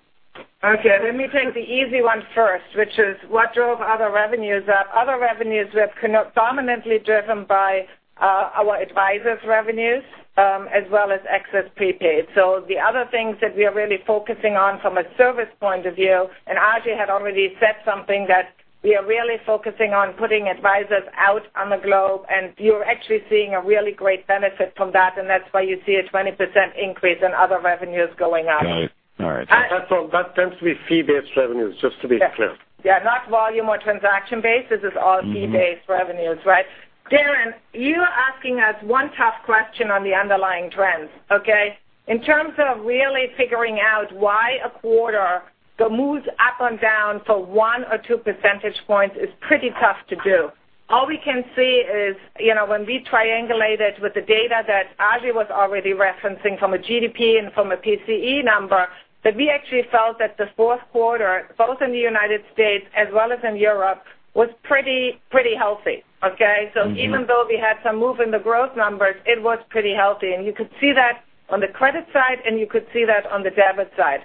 [SPEAKER 4] Okay. Let me take the easy one first, which is what drove other revenues up. Other revenues were dominantly driven by our advisors' revenues, as well as Access Prepaid. The other things that we are really focusing on from a service point of view, Ajay had already said something that we are really focusing on putting advisors out on the globe, you're actually seeing a really great benefit from that's why you see a 20% increase in other revenues going up.
[SPEAKER 12] Got it. All right.
[SPEAKER 2] And-
[SPEAKER 3] That tends to be fee-based revenues, just to be clear.
[SPEAKER 4] Yeah. Not volume or transaction based. This is fee-based revenues, right? Darrin, you are asking us one tough question on the underlying trends, okay? In terms of really figuring out why a quarter that moves up and down for one or two percentage points is pretty tough to do. All we can see is when we triangulate it with the data that Ajay was already referencing from a GDP and from a PCE number, that we actually felt that the fourth quarter, both in the United States as well as in Europe, was pretty healthy, okay? Even though we had some move in the growth numbers, it was pretty healthy, and you could see that on the credit side, and you could see that on the debit side.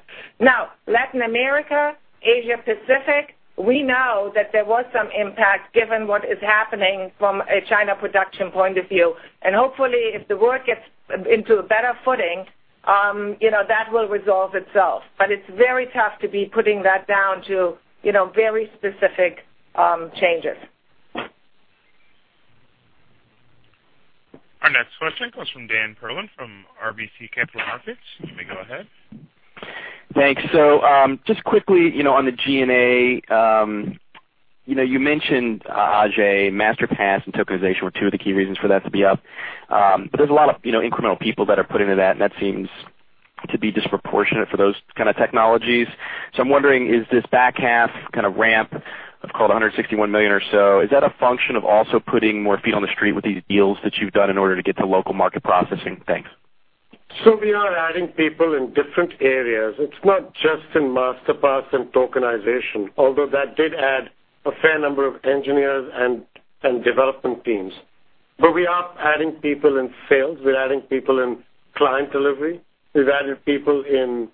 [SPEAKER 4] Latin America, Asia Pacific, we know that there was some impact given what is happening from a China production point of view. Hopefully, if the world gets into a better footing, that will resolve itself. It's very tough to be putting that down to very specific changes.
[SPEAKER 1] Our next question comes from Daniel Perlin from RBC Capital Markets. You may go ahead.
[SPEAKER 13] Thanks. Just quickly, on the G&A, you mentioned, Ajay, Masterpass and tokenization were two of the key reasons for that to be up. There's a lot of incremental people that are put into that, and that seems to be disproportionate for those kind of technologies. I'm wondering, is this back half kind of ramp of call it $161 million or so, is that a function of also putting more feet on the street with these deals that you've done in order to get to local market processing? Thanks.
[SPEAKER 3] We are adding people in different areas. It's not just in Masterpass and tokenization, although that did add a fair number of engineers and development teams. We are adding people in sales. We're adding people in client delivery. We've added people in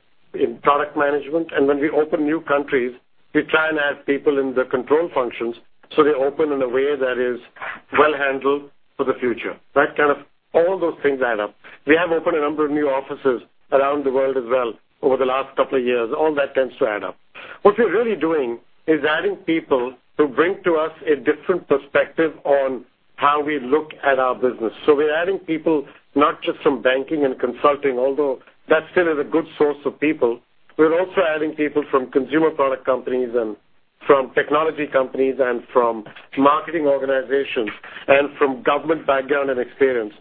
[SPEAKER 3] product management. When we open new countries, we try and add people in the control functions, so they open in a way that is well-handled for the future. All those things add up. We have opened a number of new offices around the world as well over the last couple of years. All that tends to add up. What we're really doing is adding people who bring to us a different perspective on how we look at our business. We're adding people not just from banking and consulting, although that still is a good source of people. We're also adding people from consumer product companies and from technology companies and from marketing organizations and from government background and experience.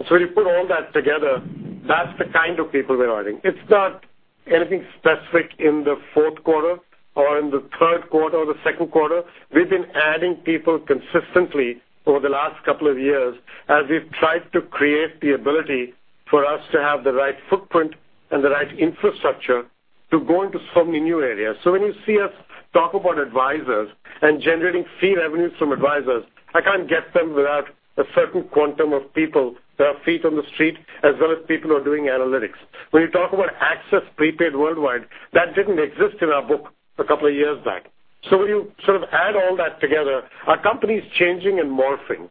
[SPEAKER 3] You put all that together, that's the kind of people we're adding. It's not anything specific in the fourth quarter or in the third quarter or the second quarter. We've been adding people consistently over the last couple of years as we've tried to create the ability for us to have the right footprint and the right infrastructure to go into so many new areas. When you see us talk about advisors and generating fee revenues from advisors, I can't get them without a certain quantum of people that have feet on the street as well as people who are doing analytics. When you talk about Access Prepaid Worldwide, that didn't exist in our book a couple of years back. When you sort of add all that together, our company's changing and morphing.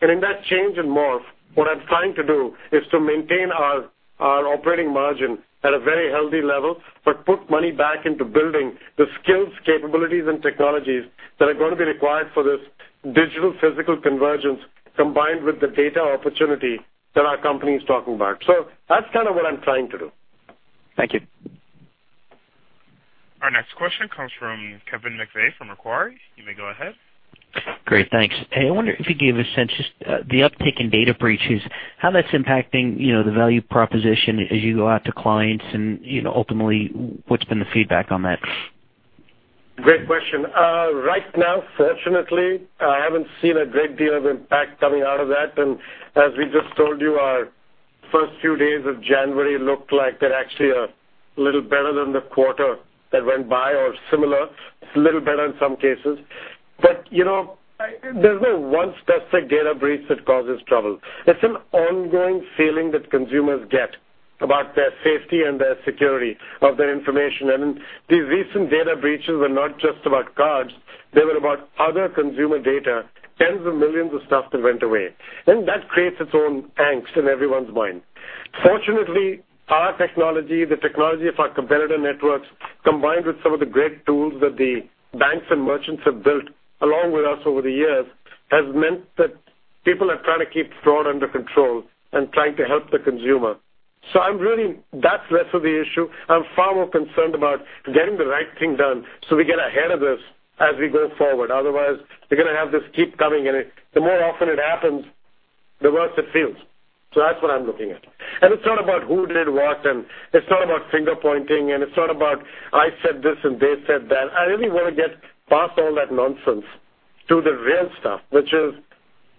[SPEAKER 3] In that change and morph, what I'm trying to do is to maintain our operating margin at a very healthy level, but put money back into building the skills, capabilities, and technologies that are going to be required for this digital-physical convergence combined with the data opportunity that our company is talking about. That's kind of what I'm trying to do.
[SPEAKER 13] Thank you.
[SPEAKER 1] Our next question comes from Kevin McVeigh from Macquarie. You may go ahead.
[SPEAKER 14] Great. Thanks. Hey, I wonder if you could give a sense, just the uptick in data breaches, how that's impacting the value proposition as you go out to clients and ultimately, what's been the feedback on that?
[SPEAKER 3] Great question. Right now, fortunately, I haven't seen a great deal of impact coming out of that. As we just told you, our first few days of January looked like they're actually a little better than the quarter that went by or similar. It's a little better in some cases. There's no one specific data breach that causes trouble. It's an ongoing feeling that consumers get about their safety and their security of their information. These recent data breaches were not just about cards, they were about other consumer data, tens of millions of stuff that went away. That creates its own angst in everyone's mind. Fortunately, our technology, the technology of our competitor networks, combined with some of the great tools that the banks and merchants have built along with us over the years, has meant that people are trying to keep fraud under control and trying to help the consumer. That's less of the issue. I'm far more concerned about getting the right thing done so we get ahead of this as we go forward. Otherwise, they're going to have this keep coming, and the more often it happens, the worse it feels. That's what I'm looking at. It's not about who did what, and it's not about finger-pointing, and it's not about I said this, and they said that. I really want to get past all that nonsense to the real stuff, which is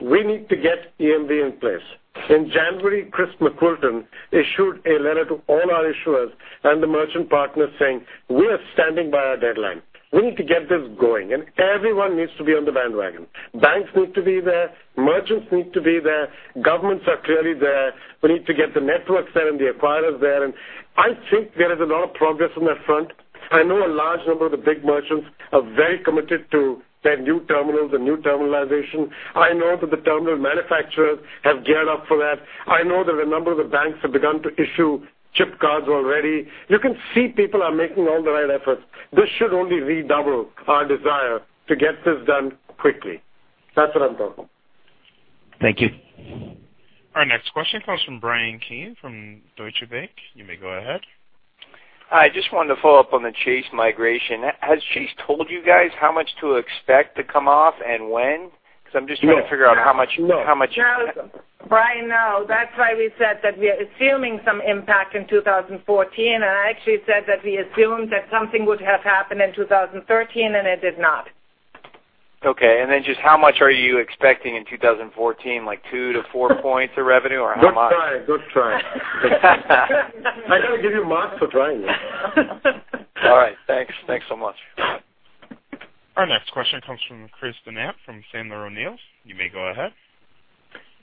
[SPEAKER 3] we need to get EMV in place. In January, Chris McWilton issued a letter to all our issuers and the merchant partners saying we are standing by our deadline. We need to get this going, and everyone needs to be on the bandwagon. Banks need to be there. Merchants need to be there. Governments are clearly there. We need to get the networks there and the acquirers there. I think there is a lot of progress on that front. I know a large number of the big merchants are very committed to their new terminals and new terminalization. I know that the terminal manufacturers have geared up for that. I know that a number of the banks have begun to issue chip cards already. You can see people are making all the right efforts. This should only redouble our desire to get this done quickly. That's what I'm talking about.
[SPEAKER 14] Thank you.
[SPEAKER 1] Our next question comes from Bryan Keane from Deutsche Bank. You may go ahead.
[SPEAKER 15] I just wanted to follow up on the Chase migration. Has Chase told you guys how much to expect to come off and when? Because I'm just trying to figure out how much.
[SPEAKER 3] No.
[SPEAKER 4] No. Bryan, no. That's why we said that we are assuming some impact in 2014, and I actually said that we assumed that something would have happened in 2013, and it did not.
[SPEAKER 15] Okay. Then just how much are you expecting in 2014, like two to four points of revenue or how much?
[SPEAKER 3] Good try. I got to give you marks for trying though.
[SPEAKER 15] All right. Thanks so much.
[SPEAKER 1] Our next question comes from Chris Donat from Sandler O'Neill. You may go ahead.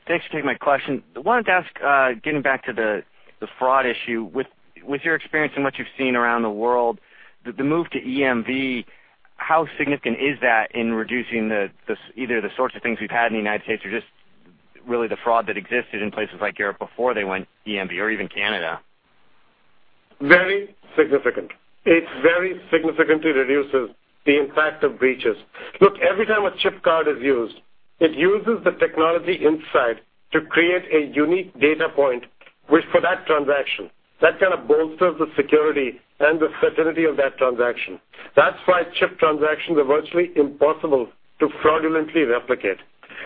[SPEAKER 16] Thanks for taking my question. I wanted to ask, getting back to the fraud issue, with your experience and what you've seen around the world, the move to EMV, how significant is that in reducing either the sorts of things we've had in the U.S. or just really the fraud that existed in places like Europe before they went EMV or even Canada?
[SPEAKER 3] Very significant. It very significantly reduces the impact of breaches. Look, every time a chip card is used, it uses the technology inside to create a unique data point for that transaction. That kind of bolsters the security and the certainty of that transaction. That's why chip transactions are virtually impossible to fraudulently replicate.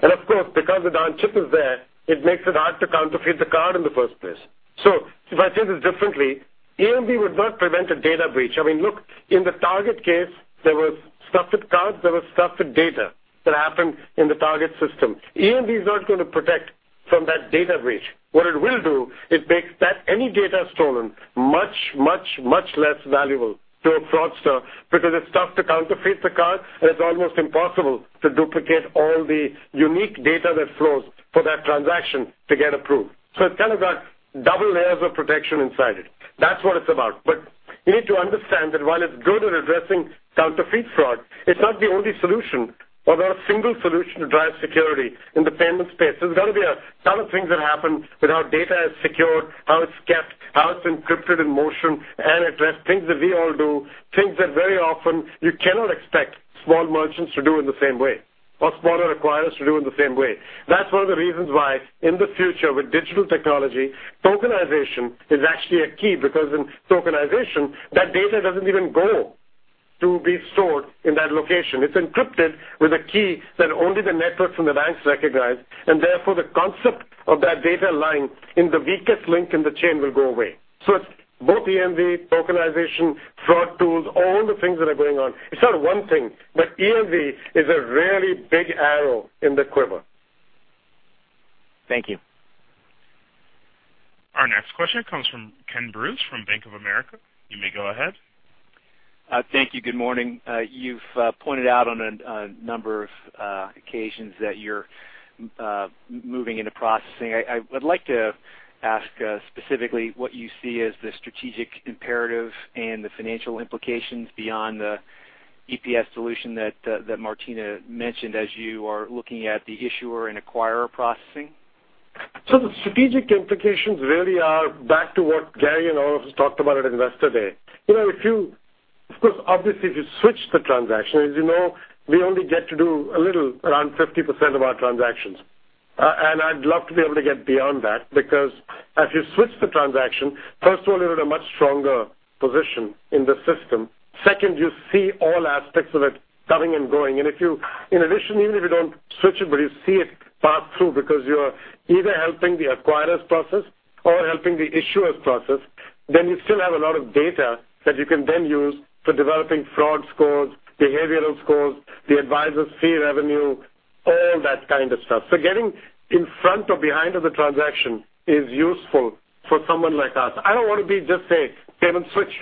[SPEAKER 3] Of course, because the darn chip is there, it makes it hard to counterfeit the card in the first place. If I say this differently, EMV would not prevent a data breach. I mean, look, in the Target case, there was stuffed cards, there was stuffed data that happened in the Target system. EMV is not going to protect from that data breach. What it will do, it makes any data stolen much, much less valuable to a fraudster because it's tough to counterfeit the card, and it's almost impossible to duplicate all the unique data that flows for that transaction to get approved. It's kind of got double layers of protection inside it. That's what it's about. You need to understand that while it's good at addressing counterfeit fraud, it's not the only solution or the single solution to drive security in the payment space. There's got to be a ton of things that happen with how data is secured, how it's kept, how it's encrypted in motion, and address things that we all do, things that very often you cannot expect small merchants to do in the same way or smaller acquirers to do in the same way. That's one of the reasons why in the future, with digital technology, tokenization is actually a key because in tokenization, that data doesn't even go to be stored in that location. It's encrypted with a key that only the networks and the banks recognize, and therefore the concept of that data line in the weakest link in the chain will go away. It's both EMV, tokenization, fraud tools, all the things that are going on. It's not one thing, but EMV is a really big arrow in the quiver.
[SPEAKER 16] Thank you.
[SPEAKER 1] Our next question comes from Kenneth Bruce from Bank of America. You may go ahead.
[SPEAKER 17] Thank you. Good morning. You've pointed out on a number of occasions that you're moving into processing. I would like to ask specifically what you see as the strategic imperative and the financial implications beyond the EPS solution that Martina mentioned as you are looking at the issuer and acquirer processing.
[SPEAKER 3] The strategic implications really are back to what Gary and Oliver talked about at Investor Day. Of course, obviously, if you switch the transaction, as you know, we only get to do a little, around 50% of our transactions. I'd love to be able to get beyond that because as you switch the transaction, first of all, you're in a much stronger position in the system. Second, you see all aspects of it coming and going. If you, in addition, even if you don't switch it but you see it pass through because you're either helping the acquirers process or helping the issuers process, then you still have a lot of data that you can then use for developing fraud scores, behavioral scores, the advisor fee revenue, all that kind of stuff. Getting in front or behind of the transaction is useful for someone like us. I don't want to be just a payment switch.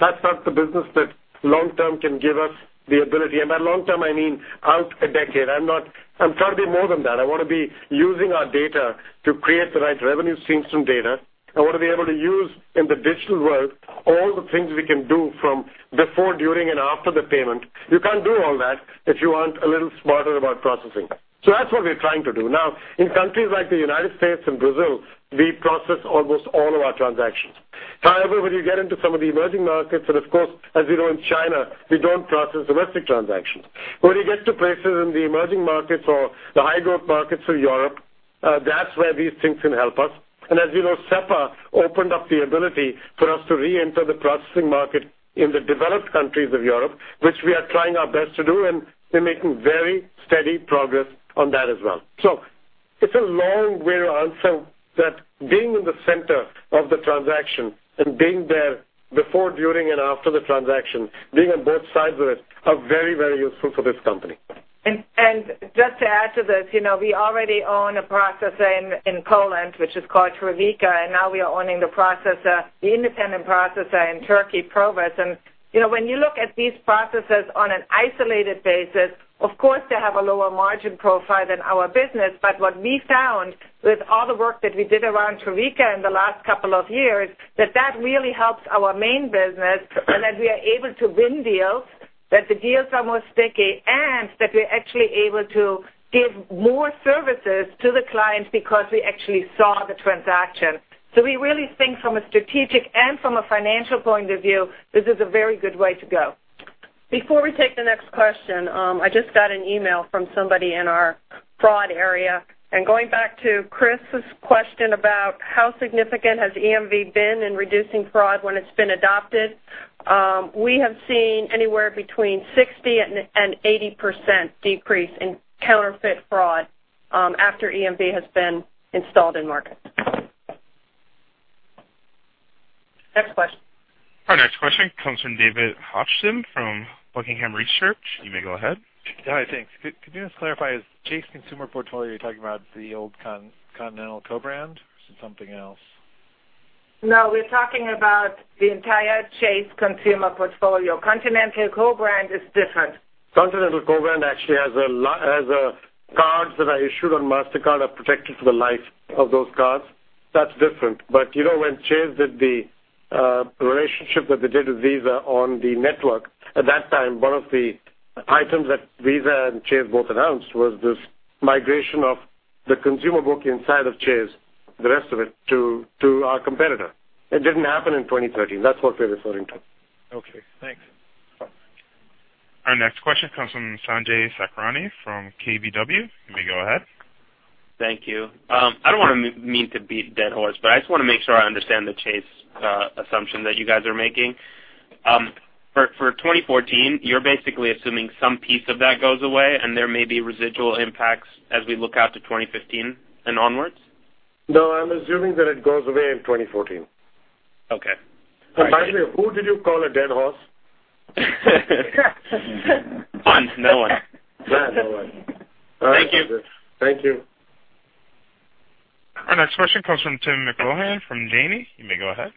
[SPEAKER 3] That's not the business that long term can give us the ability. By long term, I mean out a decade. I'm trying to be more than that. I want to be using our data to create the right revenue streams from data. I want to be able to use in the digital world all the things we can do from before, during, and after the payment. You can't do all that if you aren't a little smarter about processing. That's what we're trying to do. Now, in countries like the U.S. and Brazil, we process almost all of our transactions. However, when you get into some of the emerging markets and of course, as you know, in China, we don't process domestic transactions. When you get to places in the emerging markets or the high-growth markets of Europe, that's where these things can help us. As you know, SEPA opened up the ability for us to re-enter the processing market in the developed countries of Europe, which we are trying our best to do, and we're making very steady progress on that as well. It's a long way around, so that being in the center of the transaction and being there before, during, and after the transaction, being on both sides of it, are very useful for this company.
[SPEAKER 4] Just to add to this, we already own a processor in Poland, which is called Trevica, and now we are owning the independent processor in Turkey, Provus. When you look at these processes on an isolated basis, of course, they have a lower margin profile than our business. What we found with all the work that we did around Trevica in the last couple of years, that really helps our main business and that we are able to win deals, that the deals are more sticky, and that we're actually able to give more services to the clients because we actually saw the transaction. We really think from a strategic and from a financial point of view, this is a very good way to go.
[SPEAKER 2] Before we take the next question, I just got an email from somebody in our fraud area, going back to Chris's question about how significant has EMV been in reducing fraud when it's been adopted. We have seen anywhere between 60% and 80% decrease in counterfeit fraud after EMV has been installed in markets. Next question.
[SPEAKER 1] Our next question comes from David Hochstim from Buckingham Research. You may go ahead.
[SPEAKER 18] Hi, thanks. Could you just clarify, is Chase consumer portfolio, you're talking about the old Continental co-brand or something else?
[SPEAKER 4] We're talking about the entire Chase consumer portfolio. Continental co-brand is different.
[SPEAKER 3] Continental co-brand actually has cards that are issued on Mastercard are protected for the life of those cards. That's different. When Chase did the relationship that they did with Visa on the network, at that time, one of the items that Visa and Chase both announced was this migration of the consumer book inside of Chase, the rest of it, to our competitor. It didn't happen in 2013. That's what we're referring to.
[SPEAKER 18] Okay, thanks.
[SPEAKER 1] Our next question comes from Sanjay Sakhrani from KBW. You may go ahead.
[SPEAKER 19] Thank you. I don't want to mean to beat a dead horse. I just want to make sure I understand the Chase assumption that you guys are making. For 2014, you're basically assuming some piece of that goes away and there may be residual impacts as we look out to 2015 and onwards?
[SPEAKER 3] No, I'm assuming that it goes away in 2014.
[SPEAKER 19] Okay.
[SPEAKER 3] By the way, who did you call a dead horse?
[SPEAKER 19] No one.
[SPEAKER 3] Yeah, no one.
[SPEAKER 19] Thank you.
[SPEAKER 3] Thank you.
[SPEAKER 1] Our next question comes from Timothy McLaughlin from Janney. You may go ahead.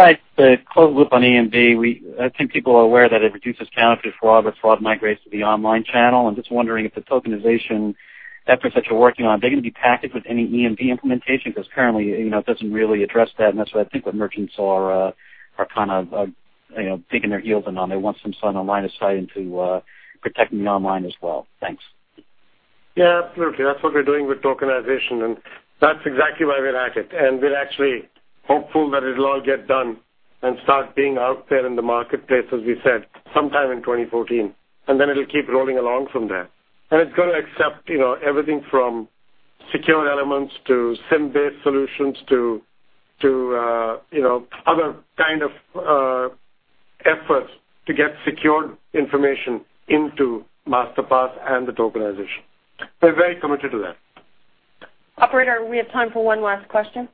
[SPEAKER 20] Hi. To close the loop on EMV, I think people are aware that it reduces counterfeit fraud, but fraud migrates to the online channel. I'm just wondering if the tokenization efforts that you're working on, they're going to be packed with any EMV implementation because currently, it doesn't really address that. That's what I think what merchants are kind of digging their heels in on. They want some line of sight into protecting the online as well. Thanks.
[SPEAKER 3] Yeah, absolutely. That's what we're doing with tokenization, and that's exactly why we're at it. We're actually hopeful that it'll all get done and start being out there in the marketplace, as we said, sometime in 2014. Then it'll keep rolling along from there. It's going to accept everything from secure elements to SIM-based solutions to other kind of efforts to get secured information into Masterpass and the tokenization. We're very committed to that.
[SPEAKER 2] Operator, we have time for one last question.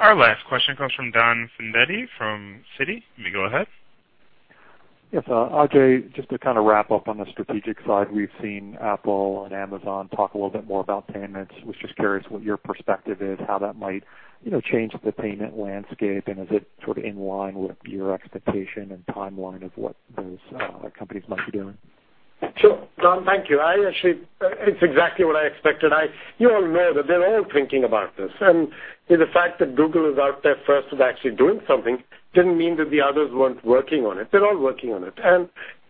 [SPEAKER 1] Our last question comes from Donald Fandetti from Citi. You may go ahead.
[SPEAKER 21] Yes. Ajay, just to kind of wrap up on the strategic side, we've seen Apple and Amazon talk a little bit more about payments. Was just curious what your perspective is, how that might change the payment landscape, and is it sort of in line with your expectation and timeline of what those companies might be doing?
[SPEAKER 3] Sure. Don, thank you. It's exactly what I expected. You all know that they're all thinking about this. The fact that Google is out there first of actually doing something didn't mean that the others weren't working on it. They're all working on it.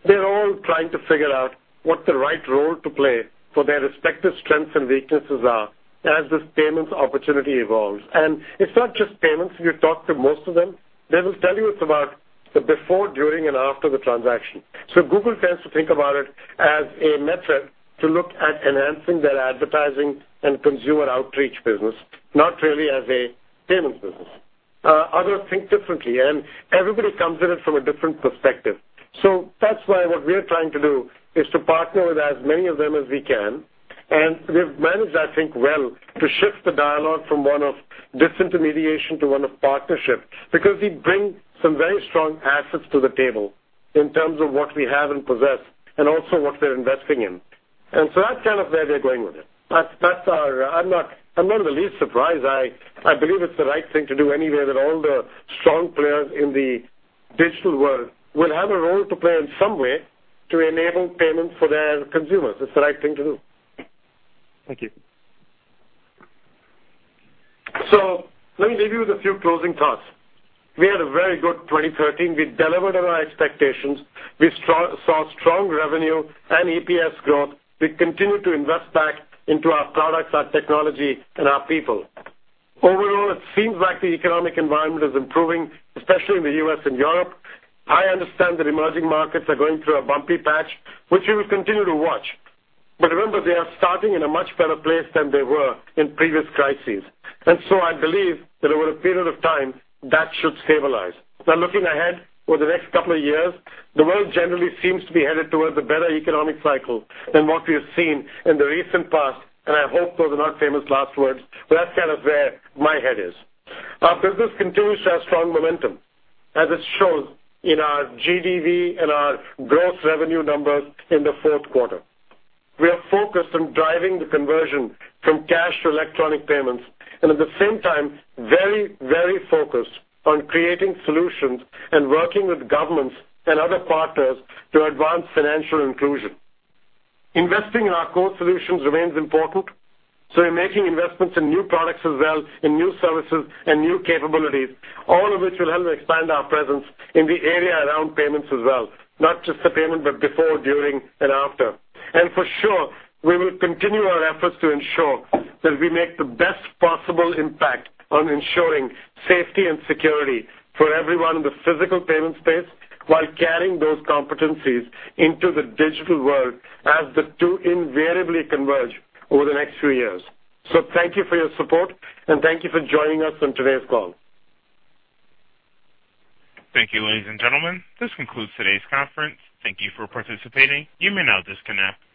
[SPEAKER 3] They're all trying to figure out what the right role to play for their respective strengths and weaknesses are as this payments opportunity evolves. It's not just payments. If you talk to most of them, they will tell you it's about the before, during, and after the transaction. Google tends to think about it as a method to look at enhancing their advertising and consumer outreach business, not really as a payments business. Others think differently, and everybody comes at it from a different perspective. That's why what we're trying to do is to partner with as many of them as we can. We've managed, I think, well to shift the dialogue from one of disintermediation to one of partnership because we bring some very strong assets to the table in terms of what we have and possess and also what we're investing in. That's kind of where we're going with it. I'm not in the least surprised. I believe it's the right thing to do anyway, that all the strong players in the digital world will have a role to play in some way to enable payments for their consumers. It's the right thing to do.
[SPEAKER 21] Thank you.
[SPEAKER 3] Let me leave you with a few closing thoughts. We had a very good 2013. We delivered on our expectations. We saw strong revenue and EPS growth. We continue to invest back into our products, our technology, and our people. Overall, it seems like the economic environment is improving, especially in the U.S. and Europe. I understand that emerging markets are going through a bumpy patch, which we will continue to watch. Remember, they are starting in a much better place than they were in previous crises. I believe that over a period of time, that should stabilize. Looking ahead over the next couple of years, the world generally seems to be headed towards a better economic cycle than what we have seen in the recent past, and I hope those are not famous last words, but that's kind of where my head is. Our business continues to have strong momentum, as it shows in our GDV and our gross revenue numbers in the fourth quarter. We are focused on driving the conversion from cash to electronic payments and at the same time, very focused on creating solutions and working with governments and other partners to advance financial inclusion. Investing in our core solutions remains important, so we're making investments in new products as well, in new services and new capabilities, all of which will help expand our presence in the area around payments as well, not just the payment, but before, during, and after. For sure, we will continue our efforts to ensure that we make the best possible impact on ensuring safety and security for everyone in the physical payment space while carrying those competencies into the digital world as the two invariably converge over the next few years. Thank you for your support, and thank you for joining us on today's call.
[SPEAKER 1] Thank you, ladies and gentlemen. This concludes today's conference. Thank you for participating. You may now disconnect.